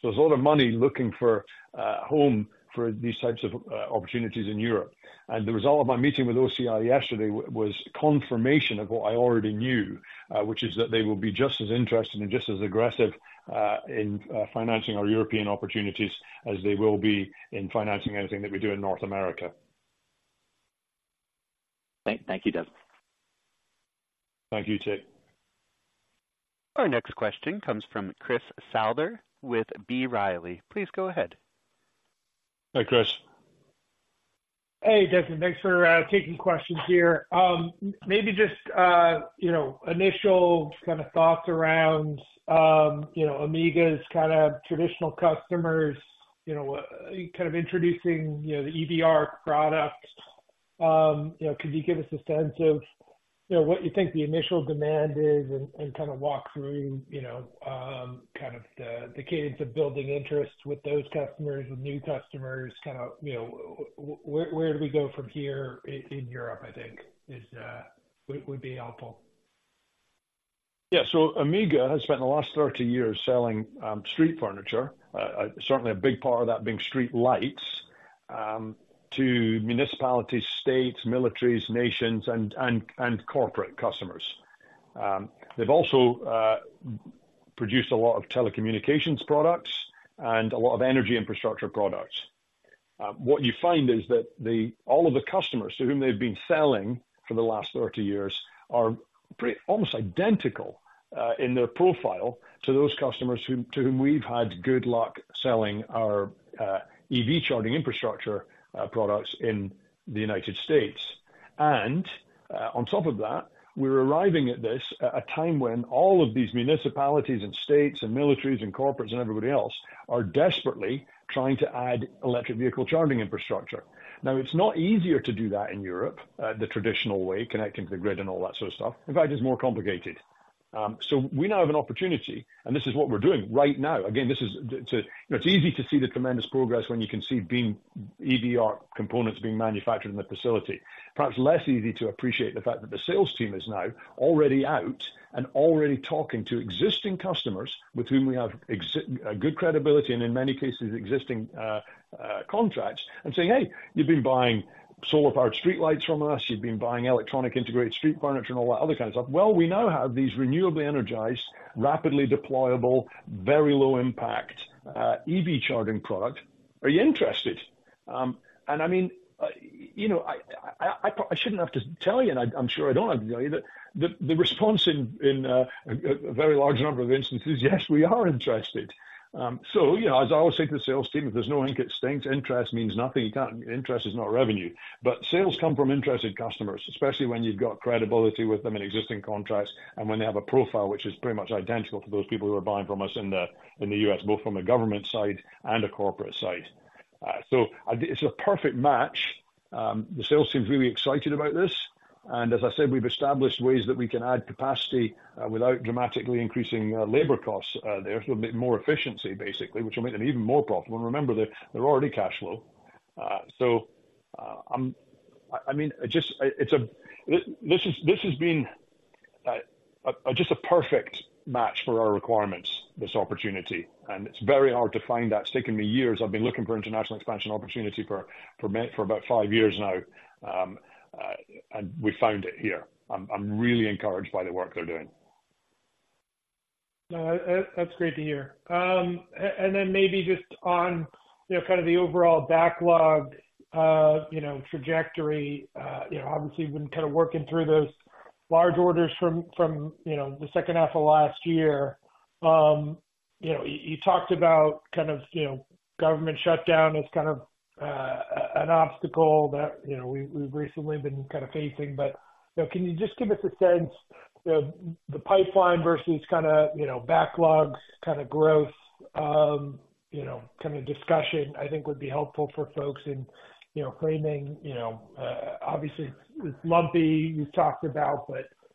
So there's a lot of money looking for home for these types of opportunities in Europe. The result of my meeting with OCI yesterday was confirmation of what I already knew, which is that they will be just as interested and just as aggressive in financing our European opportunities as they will be in financing anything that we do in North America. Thank you, Desmond. Thank you, Tate. Our next question comes from Chris Souther with B. Riley. Please go ahead. Hi, Chris. Hey, Desmond. Thanks for taking questions here. Maybe just, you know, initial kind of thoughts around, you know, Amiga's kind of traditional customers, you know, kind of introducing, you know, the EV ARC product. You know, could you give us a sense of, you know, what you think the initial demand is and, and kind of walk through, you know, kind of the, the cadence of building interest with those customers, with new customers, kind of, you know, where do we go from here in, in Europe, I think is would be helpful. Yeah. So Amiga has spent the last 30 years selling street furniture, certainly a big part of that being streetlights, to municipalities, states, militaries, nations, and corporate customers. They've also produced a lot of telecommunications products and a lot of energy infrastructure products. What you find is that all of the customers to whom they've been selling for the last 30 years are practically almost identical in their profile to those customers to whom we've had good luck selling our EV charging infrastructure products in the United States. And on top of that, we're arriving at this at a time when all of these municipalities and states and militaries and corporates and everybody else are desperately trying to add electric vehicle charging infrastructure. Now, it's not easier to do that in Europe, the traditional way, connecting to the grid and all that sort of stuff. In fact, it's more complicated. So we now have an opportunity, and this is what we're doing right now. Again, You know, it's easy to see the tremendous progress when you can see EV ARC components being manufactured in the facility. Perhaps less easy to appreciate the fact that the sales team is now already out and already talking to existing customers with whom we have good credibility and in many cases, existing contracts, and saying, "Hey, you've been buying solar-powered streetlights from us. You've been buying electronic integrated street furniture and all that other kind of stuff. Well, we now have these renewably energized, rapidly deployable, very low impact EV charging product. Are you interested?" And I mean, you know, I shouldn't have to tell you, and I'm sure I don't have to tell you that the response in a very large number of instances, "Yes, we are interested." So, you know, as I always say to the sales team, if there's no instinct, interest means nothing. You can't... Interest is not revenue. But sales come from interested customers, especially when you've got credibility with them in existing contracts and when they have a profile which is pretty much identical to those people who are buying from us in the U.S., both from a government side and a corporate side. So I think it's a perfect match. The sales team's really excited about this, and as I said, we've established ways that we can add capacity without dramatically increasing labor costs there. So a bit more efficiency, basically, which will make them even more profitable. And remember, they're already cash flow. So, I mean, it's just a perfect match for our requirements, this opportunity, and it's very hard to find. That's taken me years. I've been looking for international expansion opportunity for me for about five years now. And we found it here. I'm really encouraged by the work they're doing. No, that's great to hear. And then maybe just on, you know, kind of the overall backlog, you know, trajectory. You know, obviously, we've been kind of working through those large orders from, from, you know, the second half of last year. You know, you talked about kind of, you know, government shutdown as kind of an obstacle that, you know, we, we've recently been kind of facing. But, you know, can you just give us a sense of the pipeline versus kind of, you know, backlog kind of growth, you know, kind of discussion, I think would be helpful for folks in, you know, framing, you know, obviously, it's lumpy, you talked about.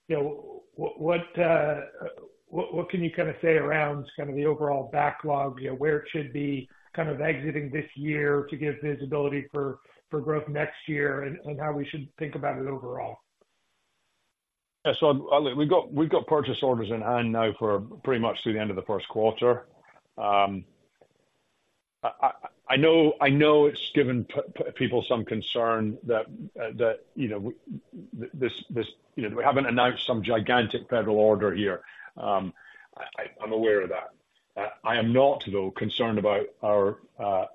You know, what can you kind of say around kind of the overall backlog, you know, where it should be kind of exiting this year to give visibility for growth next year and how we should think about it overall? Yeah. So, look, we've got purchase orders in hand now for pretty much through the end of the first quarter. I know it's given people some concern that, you know, this, this, you know, we haven't announced some gigantic federal order here. I'm aware of that. I am not, though, concerned about our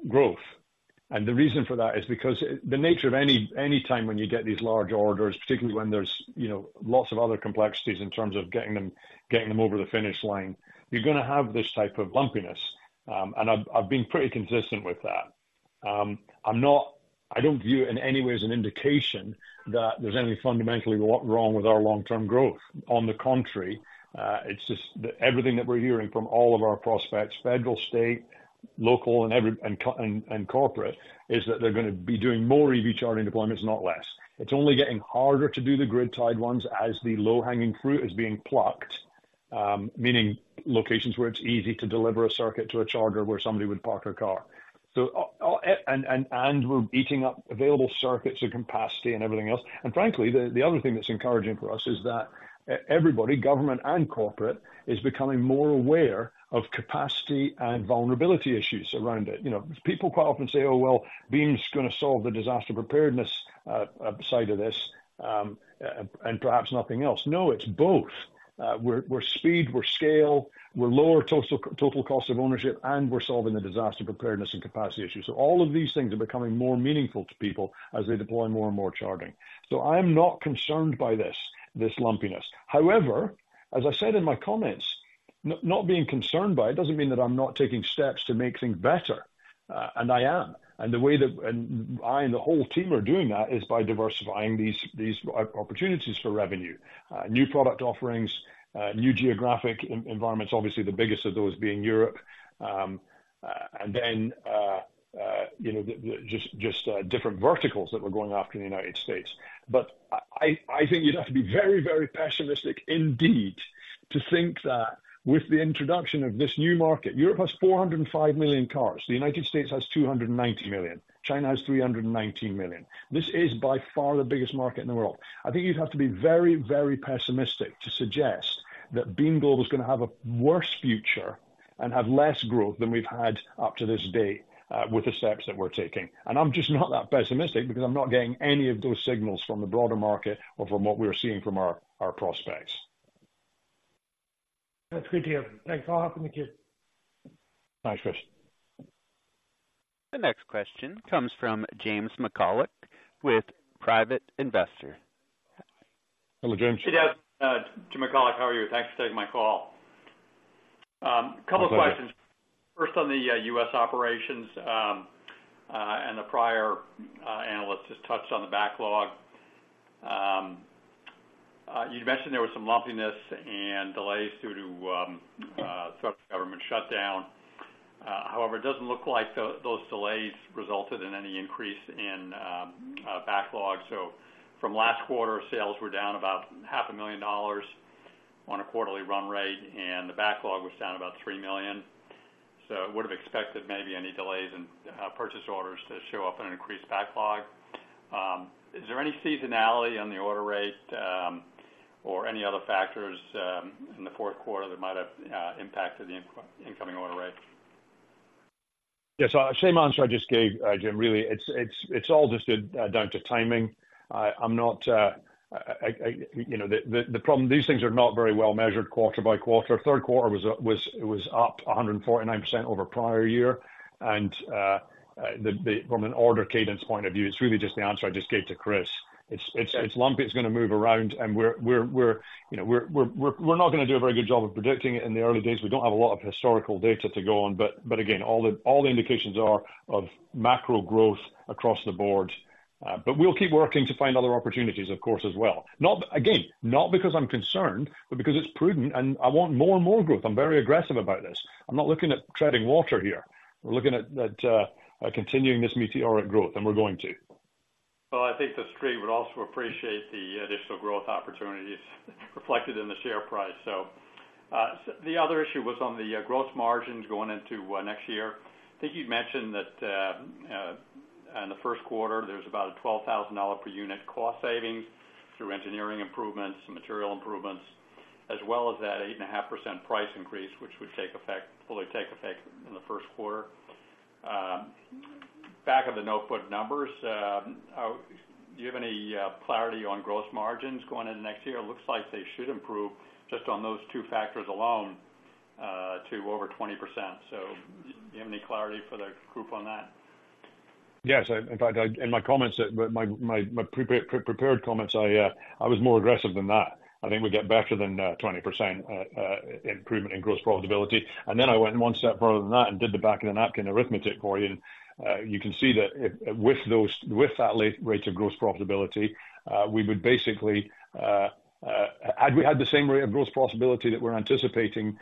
growth. And the reason for that is because the nature of any time when you get these large orders, particularly when there's, you know, lots of other complexities in terms of getting them over the finish line, you're gonna have this type of lumpiness. And I've been pretty consistent with that. I'm not, I don't view in any way as an indication that there's anything fundamentally wrong with our long-term growth. On the contrary, it's just that everything that we're hearing from all of our prospects, federal, state, local, commercial, and corporate, is that they're gonna be doing more EV charging deployments, not less. It's only getting harder to do the grid-tied ones as the low-hanging fruit is being plucked, meaning locations where it's easy to deliver a circuit to a charger where somebody would park their car. So, we're eating up available circuits and capacity and everything else. And frankly, the other thing that's encouraging for us is that everybody, government and corporate, is becoming more aware of capacity and vulnerability issues around it. You know, people quite often say, "Oh, well, Beam's gonna solve the disaster preparedness side of this, and perhaps nothing else." No, it's both. We're speed, scale, lower total cost of ownership, and we're solving the disaster preparedness and capacity issue. So all of these things are becoming more meaningful to people as they deploy more and more charging. So I'm not concerned by this lumpiness. However, as I said in my comments, not being concerned by it doesn't mean that I'm not taking steps to make things better, and I am. And the way that I and the whole team are doing that is by diversifying these opportunities for revenue. New product offerings, new geographic environments, obviously, the biggest of those being Europe. And then, you know, just different verticals that we're going after in the United States. But I think you'd have to be very, very pessimistic indeed, to think that with the introduction of this new market. Europe has 405 million cars, the United States has 290 million, China has 319 million. This is by far the biggest market in the world. I think you'd have to be very, very pessimistic to suggest that Beam Global is gonna have a worse future and have less growth than we've had up to this date with the steps that we're taking. And I'm just not that pessimistic because I'm not getting any of those signals from the broader market or from what we're seeing from our prospects. That's good to hear. Thanks a lot for the cue. Thanks, Chris. The next question comes from James McCullough with Private Investor. Hello, James. Hey, Des, Jim McCullough. How are you? Thanks for taking my call. Couple questions. Okay. First, on the U.S. operations, and the prior analyst just touched on the backlog. You'd mentioned there was some lumpiness and delays due to the government shutdown. However, it doesn't look like those delays resulted in any increase in backlog. So from last quarter, sales were down about $500,000 on a quarterly run rate, and the backlog was down about $3 million. So I would have expected maybe any delays in purchase orders to show up in an increased backlog. Is there any seasonality on the order rate, or any other factors in the fourth quarter that might have impacted the incoming order rate? Yes, so same answer I just gave, Jim, really, it's, it's, it's all just down to timing. I'm not... You know, the problem. These things are not very well measured quarter by quarter. Third quarter was up, it was up 149% over prior year. And, from an order cadence point of view, it's really just the answer I just gave to Chris. It's lumpy, it's gonna move around, and we're, you know, we're not gonna do a very good job of predicting it in the early days. We don't have a lot of historical data to go on. But again, all the indications are of macro growth across the board. But we'll keep working to find other opportunities, of course, as well. Not again, not because I'm concerned, but because it's prudent and I want more and more growth. I'm very aggressive about this. I'm not looking at treading water here. We're looking at continuing this meteoric growth, and we're going to. Well, I think the street would also appreciate the additional growth opportunities reflected in the share price. So, the other issue was on the gross margins going into next year. I think you'd mentioned that in the first quarter, there's about a $12,000 per unit cost savings through engineering improvements and material improvements, as well as that 8.5% price increase, which would take effect, fully take effect in the first quarter. Back of the notebook numbers, do you have any clarity on gross margins going into next year? It looks like they should improve just on those two factors alone to over 20%. So do you have any clarity for the group on that? Yes. In fact, in my comments, my prepared comments, I was more aggressive than that. I think we get better than 20% improvement in gross profitability. And then I went one step further than that and did the back of the napkin arithmetic for you. And you can see that with those, with that rate of gross profitability, we would basically had we had the same rate of gross profitability that we're anticipating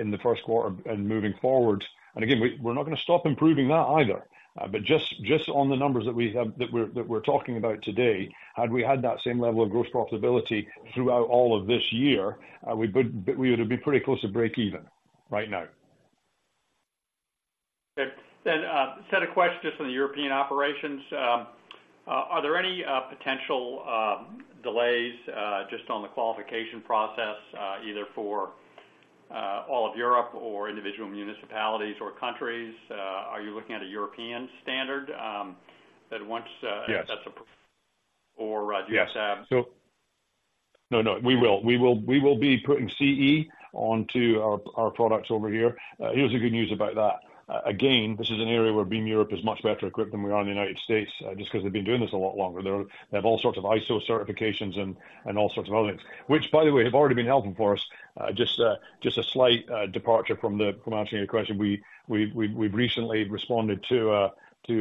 in the first quarter and moving forward. And again, we're not gonna stop improving that either. But just on the numbers that we have, that we're talking about today, had we had that same level of gross profitability throughout all of this year, we would have been pretty close to break even right now. Okay. Then, set a question just on the European operations. Are there any potential delays just on the qualification process, either for all of Europe or individual municipalities or countries? Are you looking at a European standard, that once, Yes. That's approved, or do you guys have- Yes. No, no, we will. We will be putting CE onto our products over here. Here's the good news about that: Again, this is an area where Beam Europe is much better equipped than we are in the United States, just because they've been doing this a lot longer. They have all sorts of ISO certifications and all sorts of other things, which, by the way, have already been helping us. Just a slight departure from answering your question. We've recently responded to an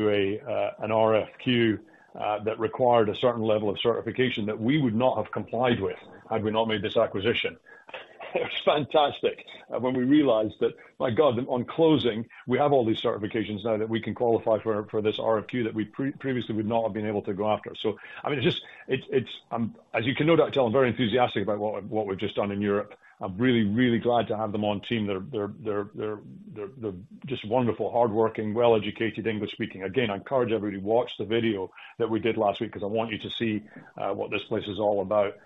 RFQ that required a certain level of certification that we would not have complied with had we not made this acquisition. It was fantastic when we realized that, my God, on closing, we have all these certifications now that we can qualify for, for this RFQ that we previously would not have been able to go after. So I mean, it's just—It's, as you can no doubt tell, I'm very enthusiastic about what we've just done in Europe. I'm really, really glad to have them on team. They're just wonderful, hardworking, well-educated, English-speaking. Again, I encourage everybody to watch the video that we did last week, because I want you to see what this place is all about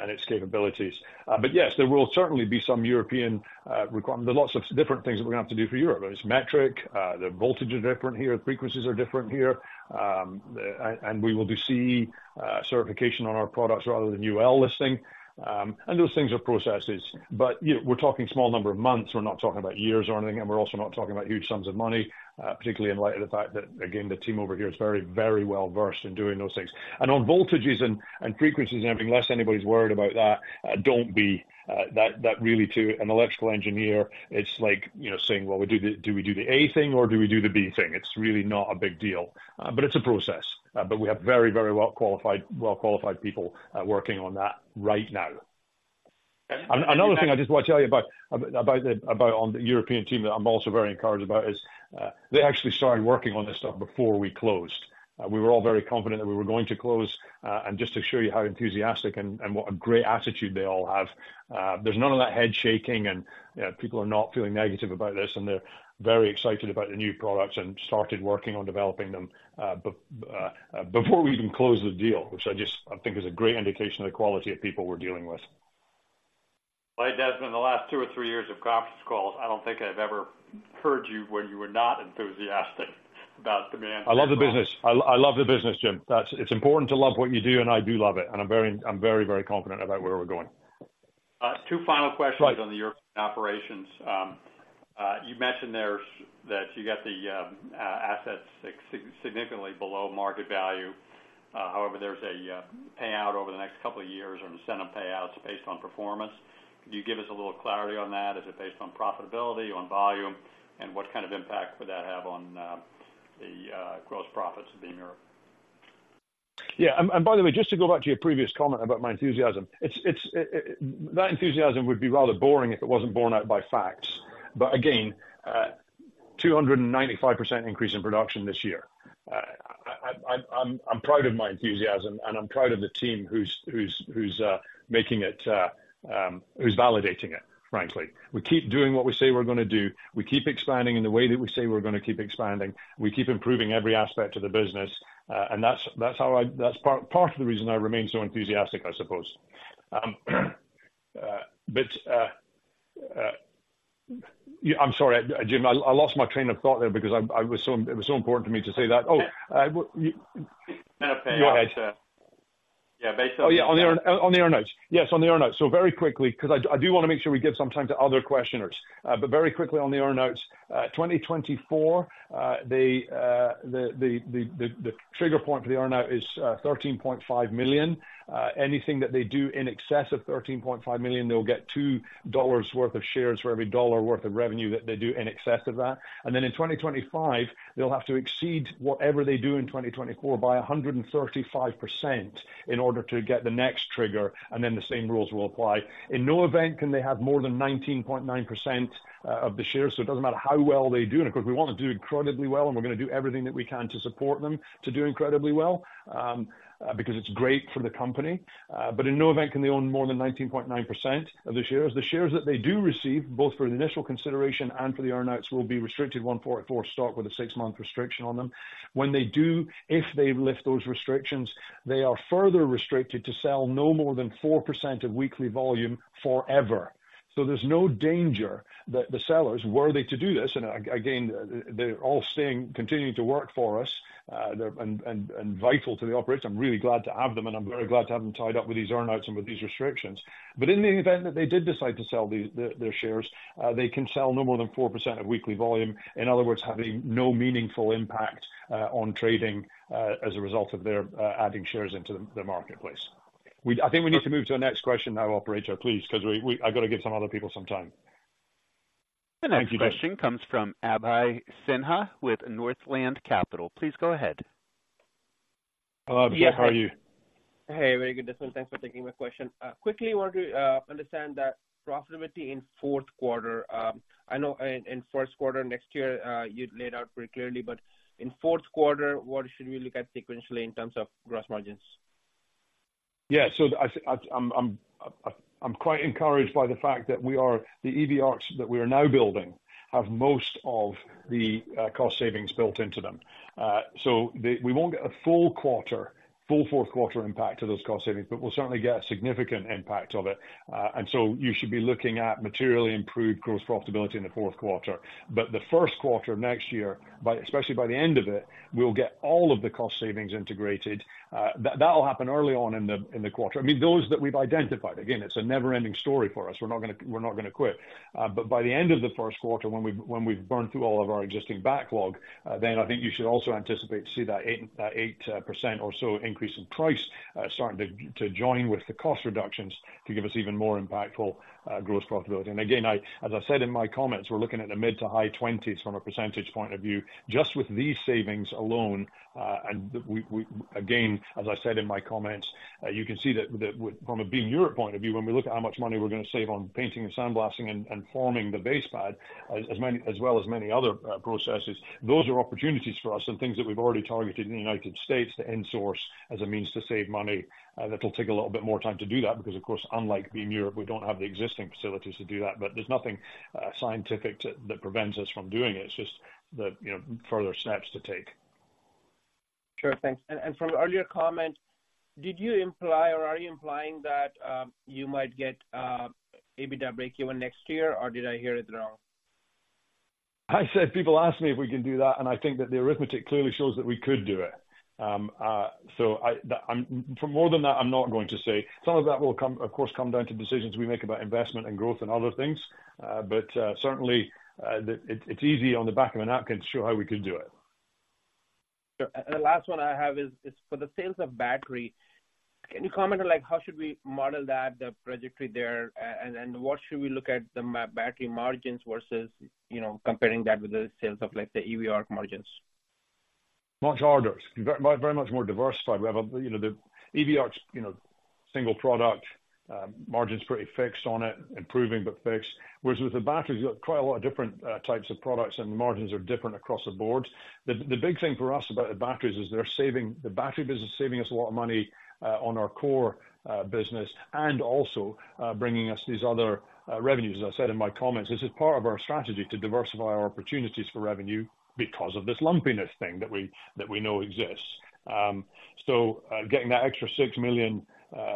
and its capabilities. But yes, there will certainly be some European requirements. There are lots of different things that we're gonna have to do for Europe. It's metric, the voltages are different here, the frequencies are different here. And we will do CE Certification on our products rather than UL Listing. And those things are processes. But, you know, we're talking small number of months. We're not talking about years or anything, and we're also not talking about huge sums of money, particularly in light of the fact that, again, the team over here is very, very well versed in doing those things. And on voltages and, and frequencies and everything, unless anybody's worried about that, don't be. That really to an electrical engineer, it's like, you know, saying, "Well, we do the, do we do the A thing or do we do the B thing?" It's really not a big deal, but it's a process. But we have very, very well qualified, well qualified people working on that right now.... Another thing I just want to tell you about the European team that I'm also very encouraged about is they actually started working on this stuff before we closed. We were all very confident that we were going to close, and just to show you how enthusiastic and what a great attitude they all have, there's none of that head shaking, and people are not feeling negative about this, and they're very excited about the new products and started working on developing them before we even closed the deal, which I just think is a great indication of the quality of people we're dealing with. Well, Desmond, in the last two or three years of conference calls, I don't think I've ever heard you when you were not enthusiastic about the management. I love the business. I, I love the business, Jim. It's important to love what you do, and I do love it, and I'm very, I'm very, very confident about where we're going. Two final questions- Right. On the European operations. You mentioned that you got the assets significantly below market value. However, there's a payout over the next couple of years or incentive payouts based on performance. Could you give us a little clarity on that? Is it based on profitability, on volume, and what kind of impact would that have on the gross profits of Beam Europe? Yeah, and by the way, just to go back to your previous comment about my enthusiasm, it's that enthusiasm would be rather boring if it wasn't borne out by facts. But again, 295% increase in production this year. I, I'm proud of my enthusiasm, and I'm proud of the team who's making it, who's validating it, frankly. We keep doing what we say we're gonna do. We keep expanding in the way that we say we're gonna keep expanding. We keep improving every aspect of the business, and that's how I... That's part of the reason I remain so enthusiastic, I suppose. But yeah, I'm sorry, Jim. I, I lost my train of thought there because I'm, I was so, it was so important to me to say that. Oh, w- you- It's okay. Go ahead. Yeah, based on- Oh, yeah, on the earn, on the earn-outs. Yes, on the earn-outs. So very quickly, because I do, I do wanna make sure we give some time to other questioners. But very quickly on the earn-outs, 2024, the trigger point for the earn-out is $13.5 million. Anything that they do in excess of $13.5 million, they'll get $2 worth of shares for every $1 worth of revenue that they do in excess of that. And then in 2025, they'll have to exceed whatever they do in 2024 by 135% in order to get the next trigger, and then the same rules will apply. In no event can they have more than 19.9% of the shares, so it doesn't matter how well they do. Of course, we want to do incredibly well, and we're gonna do everything that we can to support them to do incredibly well, because it's great for the company. But in no event can they own more than 19.9% of the shares. The shares that they do receive, both for the initial consideration and for the earn-outs, will be restricted 144 stock with a six-month restriction on them. When they do, if they lift those restrictions, they are further restricted to sell no more than 4% of weekly volume forever. So there's no danger that the sellers, were they to do this, and again, they're all staying, continuing to work for us, and vital to the operation. I'm really glad to have them, and I'm very glad to have them tied up with these earn-outs and with these restrictions. But in the event that they did decide to sell their shares, they can sell no more than 4% of weekly volume. In other words, having no meaningful impact on trading as a result of their adding shares into the marketplace. I think we need to move to the next question now, operator, please, because I've got to give some other people some time. The next question comes from Abhi Sinha with Northland Capital. Please go ahead. Hello, Abhi. How are you? Hey, very good, Desmond. Thanks for taking my question. Quickly, I want to understand that profitability in fourth quarter. I know in first quarter next year, you'd laid out pretty clearly, but in fourth quarter, what should we look at sequentially in terms of gross margins? Yeah, so I'm quite encouraged by the fact that we are, the EV ARCs that we are now building have most of the cost savings built into them. We won't get a full quarter, full fourth quarter impact of those cost savings, but we'll certainly get a significant impact of it. And so you should be looking at materially improved gross profitability in the fourth quarter. But the first quarter of next year, by, especially by the end of it, we'll get all of the cost savings integrated. That will happen early on in the quarter. I mean, those that we've identified. Again, it's a never-ending story for us. We're not gonna, we're not gonna quit. But by the end of the first quarter, when we've burned through all of our existing backlog, then I think you should also anticipate to see that 8% or so increase in price starting to join with the cost reductions to give us even more impactful gross profitability. And again, as I said in my comments, we're looking at the mid- to high 20s from a percentage point of view, just with these savings alone. Again, as I said in my comments, you can see that with, from a Beam Europe point of view, when we look at how much money we're going to save on painting and sandblasting and forming the base pad, as well as many other processes, those are opportunities for us and things that we've already targeted in the United States to in-source as a means to save money. That'll take a little bit more time to do that, because, of course, unlike Beam Europe, we don't have the existing facilities to do that. But there's nothing scientific that prevents us from doing it. It's just the, you know, further steps to take. Sure, thanks. From your earlier comment, did you imply or are you implying that you might get break even in next year, or did I hear it wrong? I said people ask me if we can do that, and I think that the arithmetic clearly shows that we could do it. So, for more than that, I'm not going to say. Some of that will come, of course, come down to decisions we make about investment and growth and other things, but certainly, it's easy on the back of a napkin to show how we could do it. Sure. And the last one I have is for the sales of battery. Can you comment on, like, how should we model that, the trajectory there, and what should we look at the battery margins versus, you know, comparing that with the sales of, like, the EV ARC margins? Much harder, very, very much more diversified. We have, you know, the EV ARCs, you know, single product, margins pretty fixed on it, improving but fixed. Whereas with the batteries, you've got quite a lot of different, types of products, and the margins are different across the board. The big thing for us about the batteries is they're saving, the battery business is saving us a lot of money, on our core, business and also, bringing us these other, revenues. As I said in my comments, this is part of our strategy to diversify our opportunities for revenue because of this lumpiness thing that we know exists. So, getting that extra $6 million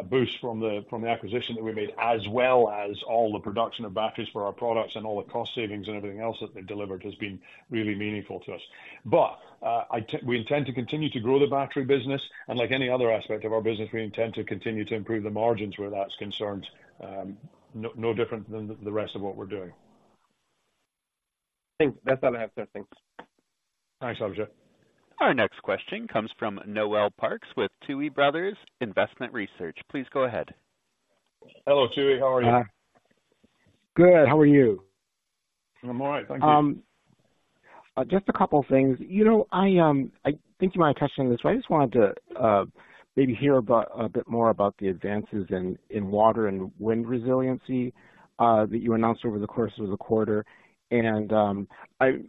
boost from the acquisition that we made, as well as all the production of batteries for our products and all the cost savings and everything else that they've delivered, has been really meaningful to us. But, we intend to continue to grow the battery business, and like any other aspect of our business, we intend to continue to improve the margins where that's concerned. No, no different than the rest of what we're doing. Thanks. That's all I have, sir. Thanks. Thanks, Abhishek. Our next question comes from Noel Parks with Tuohy Brothers Investment Research. Please go ahead. Hello, Tuohy. How are you? Good. How are you? I'm all right. Thank you. Just a couple of things. You know, I, I think you might have touched on this, but I just wanted to maybe hear about a bit more about the advances in water and wind resiliency that you announced over the course of the quarter. I,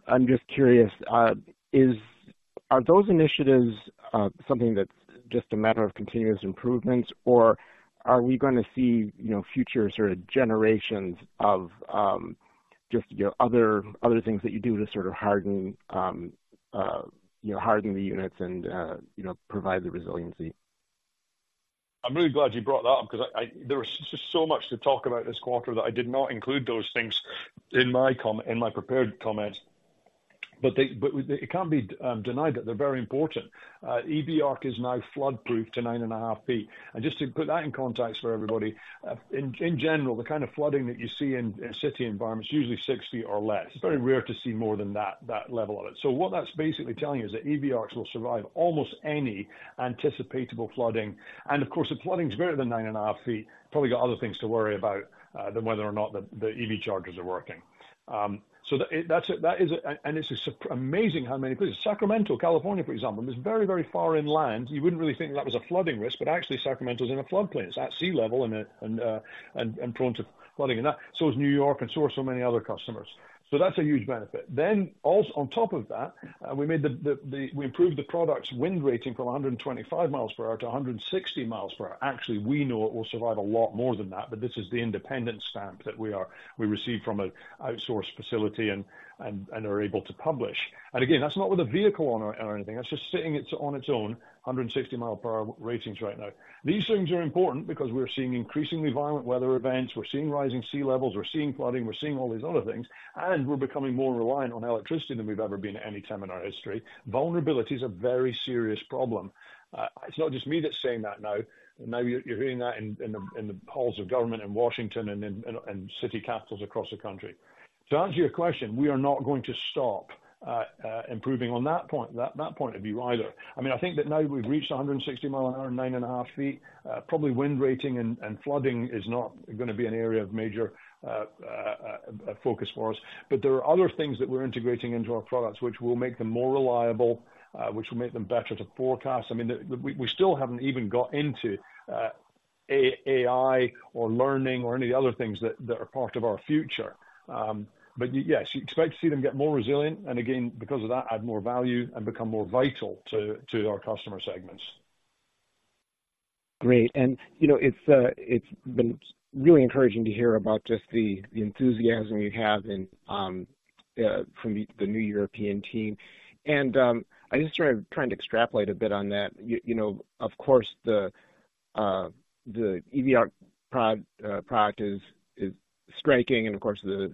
I'm just curious, is... Are those initiatives something that's just a matter of continuous improvements, or are we gonna see, you know, future sort of generations of just, you know, other, other things that you do to sort of harden, you know, harden the units and you know, provide the resiliency? I'm really glad you brought that up because there was just so much to talk about this quarter that I did not include those things in my comments. But it can't be denied that they're very important. EV ARC is now flood proof to 9.5 ft. And just to put that in context for everybody, in general, the kind of flooding that you see in city environments, usually 6 ft or less. It's very rare to see more than that level of it. So what that's basically telling you is that EV ARCs will survive almost any anticipatable flooding. And of course, if flooding is greater than 9.5 ft, probably got other things to worry about than whether or not the EV chargers are working. So that's a... And it's just amazing how many places. Sacramento, California, for example, is very, very far inland. You wouldn't really think that was a flooding risk, but actually Sacramento is in a floodplain. It's at sea level and prone to flooding, and that. So is New York, and so are so many other customers. So that's a huge benefit. Then also on top of that, we made the... We improved the product's wind rating from 125 mi per hour to 160 mi per hour. Actually, we know it will survive a lot more than that, but this is the independent stamp that we received from an outsourced facility and are able to publish. And again, that's not with a vehicle on or anything. That's just sitting it on its own, 160 mi per hour ratings right now. These things are important because we're seeing increasingly violent weather events, we're seeing rising sea levels, we're seeing flooding, we're seeing all these other things, and we're becoming more reliant on electricity than we've ever been at any time in our history. Vulnerability is a very serious problem. It's not just me that's saying that now. Now, you're, you're hearing that in, in the, in the halls of government in Washington and in, and, and city capitals across the country. To answer your question, we are not going to stop, improving on that point, that, that point of view either. I mean, I think that now we've reached a 160-mi-an-hour, 9.5 ft, probably wind rating and flooding is not gonna be an area of major focus for us. But there are other things that we're integrating into our products, which will make them more reliable, which will make them better to forecast. I mean, we still haven't even got into AI or learning or any of the other things that are part of our future. But yes, you expect to see them get more resilient, and again, because of that, add more value and become more vital to our customer segments. Great. And, you know, it's been really encouraging to hear about just the enthusiasm you have from the new European team. And, I just trying to extrapolate a bit on that. You know, of course, the EV ARC product is striking, and of course, the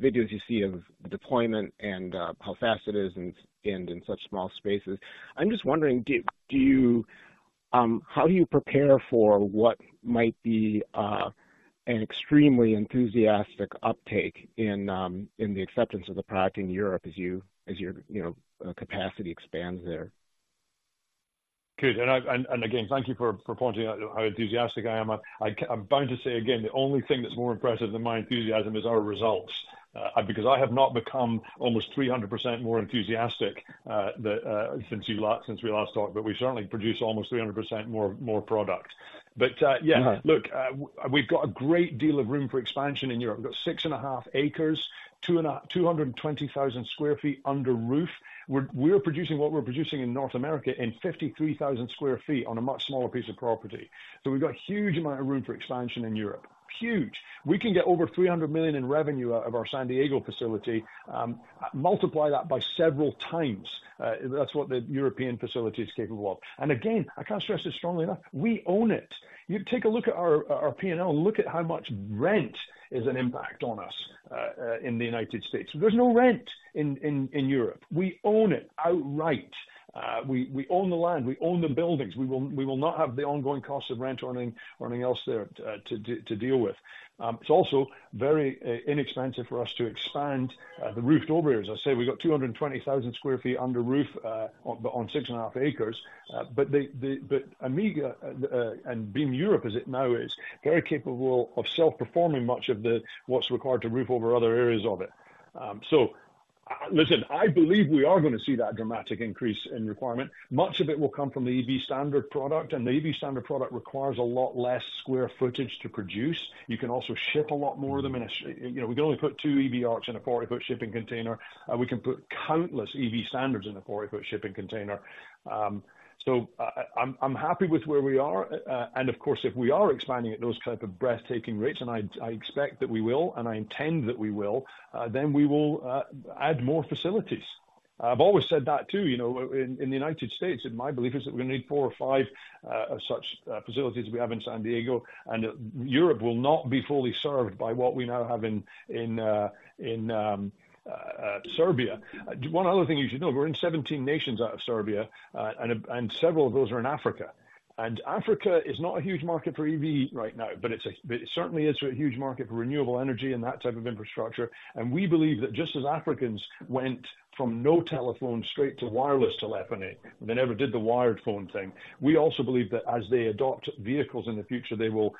videos you see of deployment and how fast it is and in such small spaces. I'm just wondering, do you how do you prepare for what might be an extremely enthusiastic uptake in the acceptance of the product in Europe as your capacity expands there? Good. And again, thank you for pointing out how enthusiastic I am. I'm bound to say again, the only thing that's more impressive than my enthusiasm is our results, because I have not become almost 300% more enthusiastic, since you last, since we last talked, but we certainly produce almost 300% more product. But, yeah- Right. Look, we've got a great deal of room for expansion in Europe. We've got 6.5 acres, 220,000 sq ft under roof. We're producing what we're producing in North America, in 53,000 sq ft on a much smaller piece of property. So we've got a huge amount of room for expansion in Europe. Huge. We can get over $300 million in revenue out of our San Diego facility. Multiply that by several times, that's what the European facility is capable of. And again, I can't stress this strongly enough, we own it. You take a look at our P&L, look at how much rent is an impact on us in the United States. There's no rent in Europe. We own it outright. We own the land, we own the buildings. We will, we will not have the ongoing cost of rent or anything, or anything else there, to deal with. It's also very inexpensive for us to expand the roofed over areas. I say we've got 220,000 sq ft under roof on six and a half acres. But the, but Amiga and Beam Europe, as it now, is very capable of self-performing much of the, what's required to roof over other areas of it. Listen, I believe we are gonna see that dramatic increase in requirement. Much of it will come from the EV Standard product, and the EV Standard product requires a lot less square footage to produce. You can also ship a lot more of them in a -- You know, we can only put two EV ARCs in a 40-ft shipping container. We can put countless EV Standards in a 40-ft shipping container. So, I'm happy with where we are. And, of course, if we are expanding at those type of breathtaking rates, and I expect that we will, and I intend that we will, then we will add more facilities. I've always said that, too, you know, in the United States, and my belief is that we're gonna need four or five of such facilities we have in San Diego, and that Europe will not be fully served by what we now have in Serbia. One other thing you should know, we're in 17 nations out of Serbia, and several of those are in Africa. Africa is not a huge market for EV right now, but it certainly is a huge market for renewable energy and that type of infrastructure. We believe that just as Africans went from no telephone straight to wireless telephony, they never did the wired phone thing. We also believe that as they adopt vehicles in the future, they will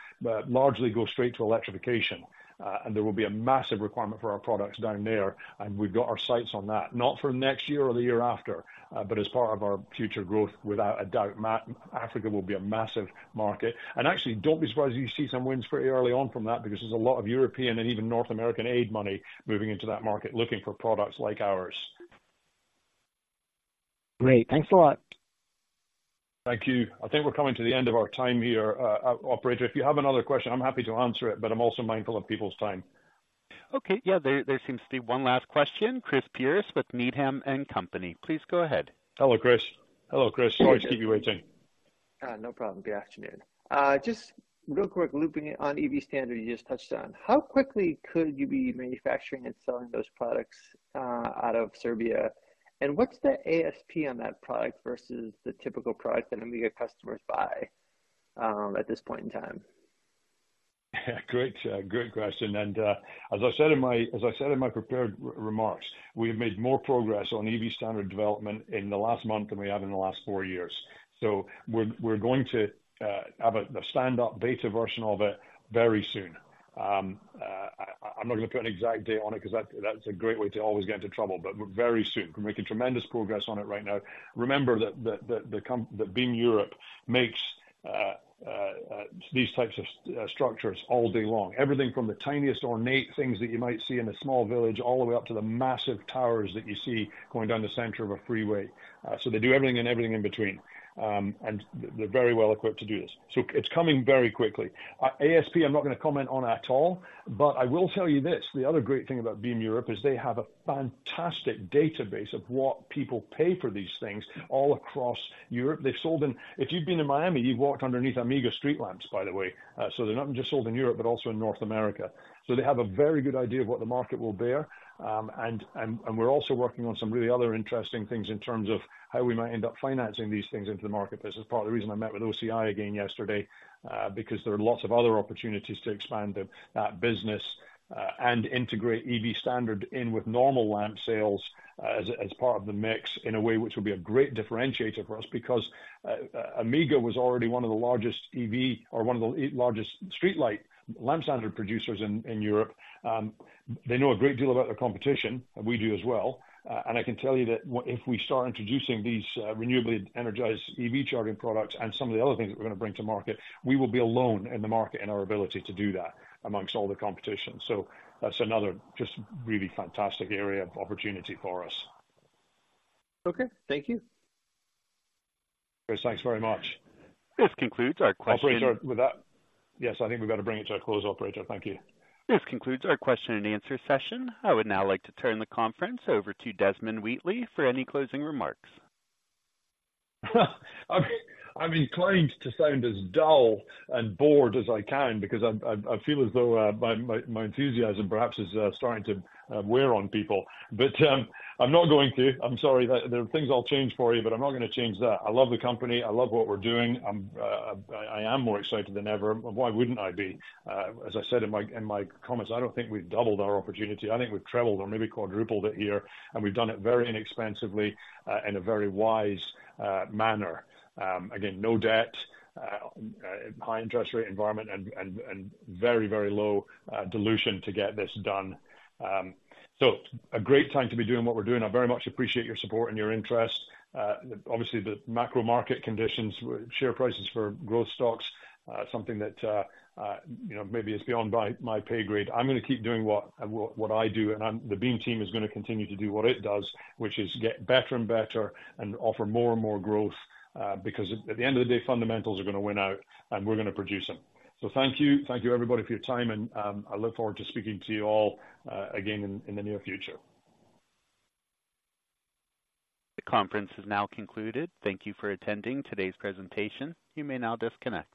largely go straight to electrification, and there will be a massive requirement for our products down there, and we've got our sights on that. Not for next year or the year after, but as part of our future growth, without a doubt, Africa will be a massive market. Actually, don't be surprised if you see some wins pretty early on from that, because there's a lot of European and even North American aid money moving into that market, looking for products like ours. Great, thanks a lot. Thank you. I think we're coming to the end of our time here. Operator, if you have another question, I'm happy to answer it, but I'm also mindful of people's time. Okay. Yeah, there seems to be one last question. Chris Pierce with Needham and Company. Please go ahead. Hello, Chris. Hello, Chris. Sorry to keep you waiting. No problem. Good afternoon. Just real quick, looping on EV standard you just touched on, how quickly could you be manufacturing and selling those products out of Serbia? And what's the ASP on that product versus the typical product that Amiga customers buy at this point in time? Great, great question, and as I said in my prepared remarks, we have made more progress on EV Standard development in the last month than we have in the last four years. So we're going to have the stand-up beta version of it very soon. I'm not gonna put an exact date on it because that's a great way to always get into trouble, but very soon. We're making tremendous progress on it right now. Remember that Beam Europe makes these types of structures all day long. Everything from the tiniest ornate things that you might see in a small village, all the way up to the massive towers that you see going down the center of a freeway. So they do everything and everything in between. And they're very well equipped to do this. So it's coming very quickly. ASP, I'm not gonna comment on at all, but I will tell you this, the other great thing about Beam Europe is they have a fantastic database of what people pay for these things all across Europe. They've sold in... If you've been to Miami, you've walked underneath Amiga streetlamps, by the way. So they're not just sold in Europe, but also in North America. So they have a very good idea of what the market will bear. And we're also working on some really other interesting things in terms of how we might end up financing these things into the market. This is part of the reason I met with OCI again yesterday, because there are lots of other opportunities to expand that business, and integrate EV Standard in with normal lamp sales as part of the mix, in a way which will be a great differentiator for us. Because Amiga was already one of the largest streetlight lamp standard producers in Europe. They know a great deal about their competition, and we do as well. And I can tell you that if we start introducing these renewably energized EV charging products and some of the other things that we're gonna bring to market, we will be alone in the market in our ability to do that amongst all the competition. So that's another just really fantastic area of opportunity for us. Okay, thank you. Chris, thanks very much. This concludes our question- Operator, with that... Yes, I think we've got to bring it to a close, operator. Thank you. This concludes our question and answer session. I would now like to turn the conference over to Desmond Wheatley for any closing remarks. I'm inclined to sound as dull and bored as I can because I feel as though my enthusiasm perhaps is starting to wear on people. But, I'm not going to. I'm sorry, there are things I'll change for you, but I'm not gonna change that. I love the company. I love what we're doing. I'm more excited than ever. Why wouldn't I be? As I said in my comments, I don't think we've doubled our opportunity. I think we've trebled or maybe quadrupled it here, and we've done it very inexpensively, in a very wise manner. So a great time to be doing what we're doing. I very much appreciate your support and your interest. Obviously, the macro market conditions, share prices for growth stocks, something that, you know, maybe is beyond my pay grade. I'm gonna keep doing what I do, and the Beam team is gonna continue to do what it does, which is get better and better and offer more and more growth, because at the end of the day, fundamentals are gonna win out, and we're gonna produce them. So thank you, thank you, everybody, for your time, and I look forward to speaking to you all, again in the near future. The conference is now concluded. Thank you for attending today's presentation. You may now disconnect.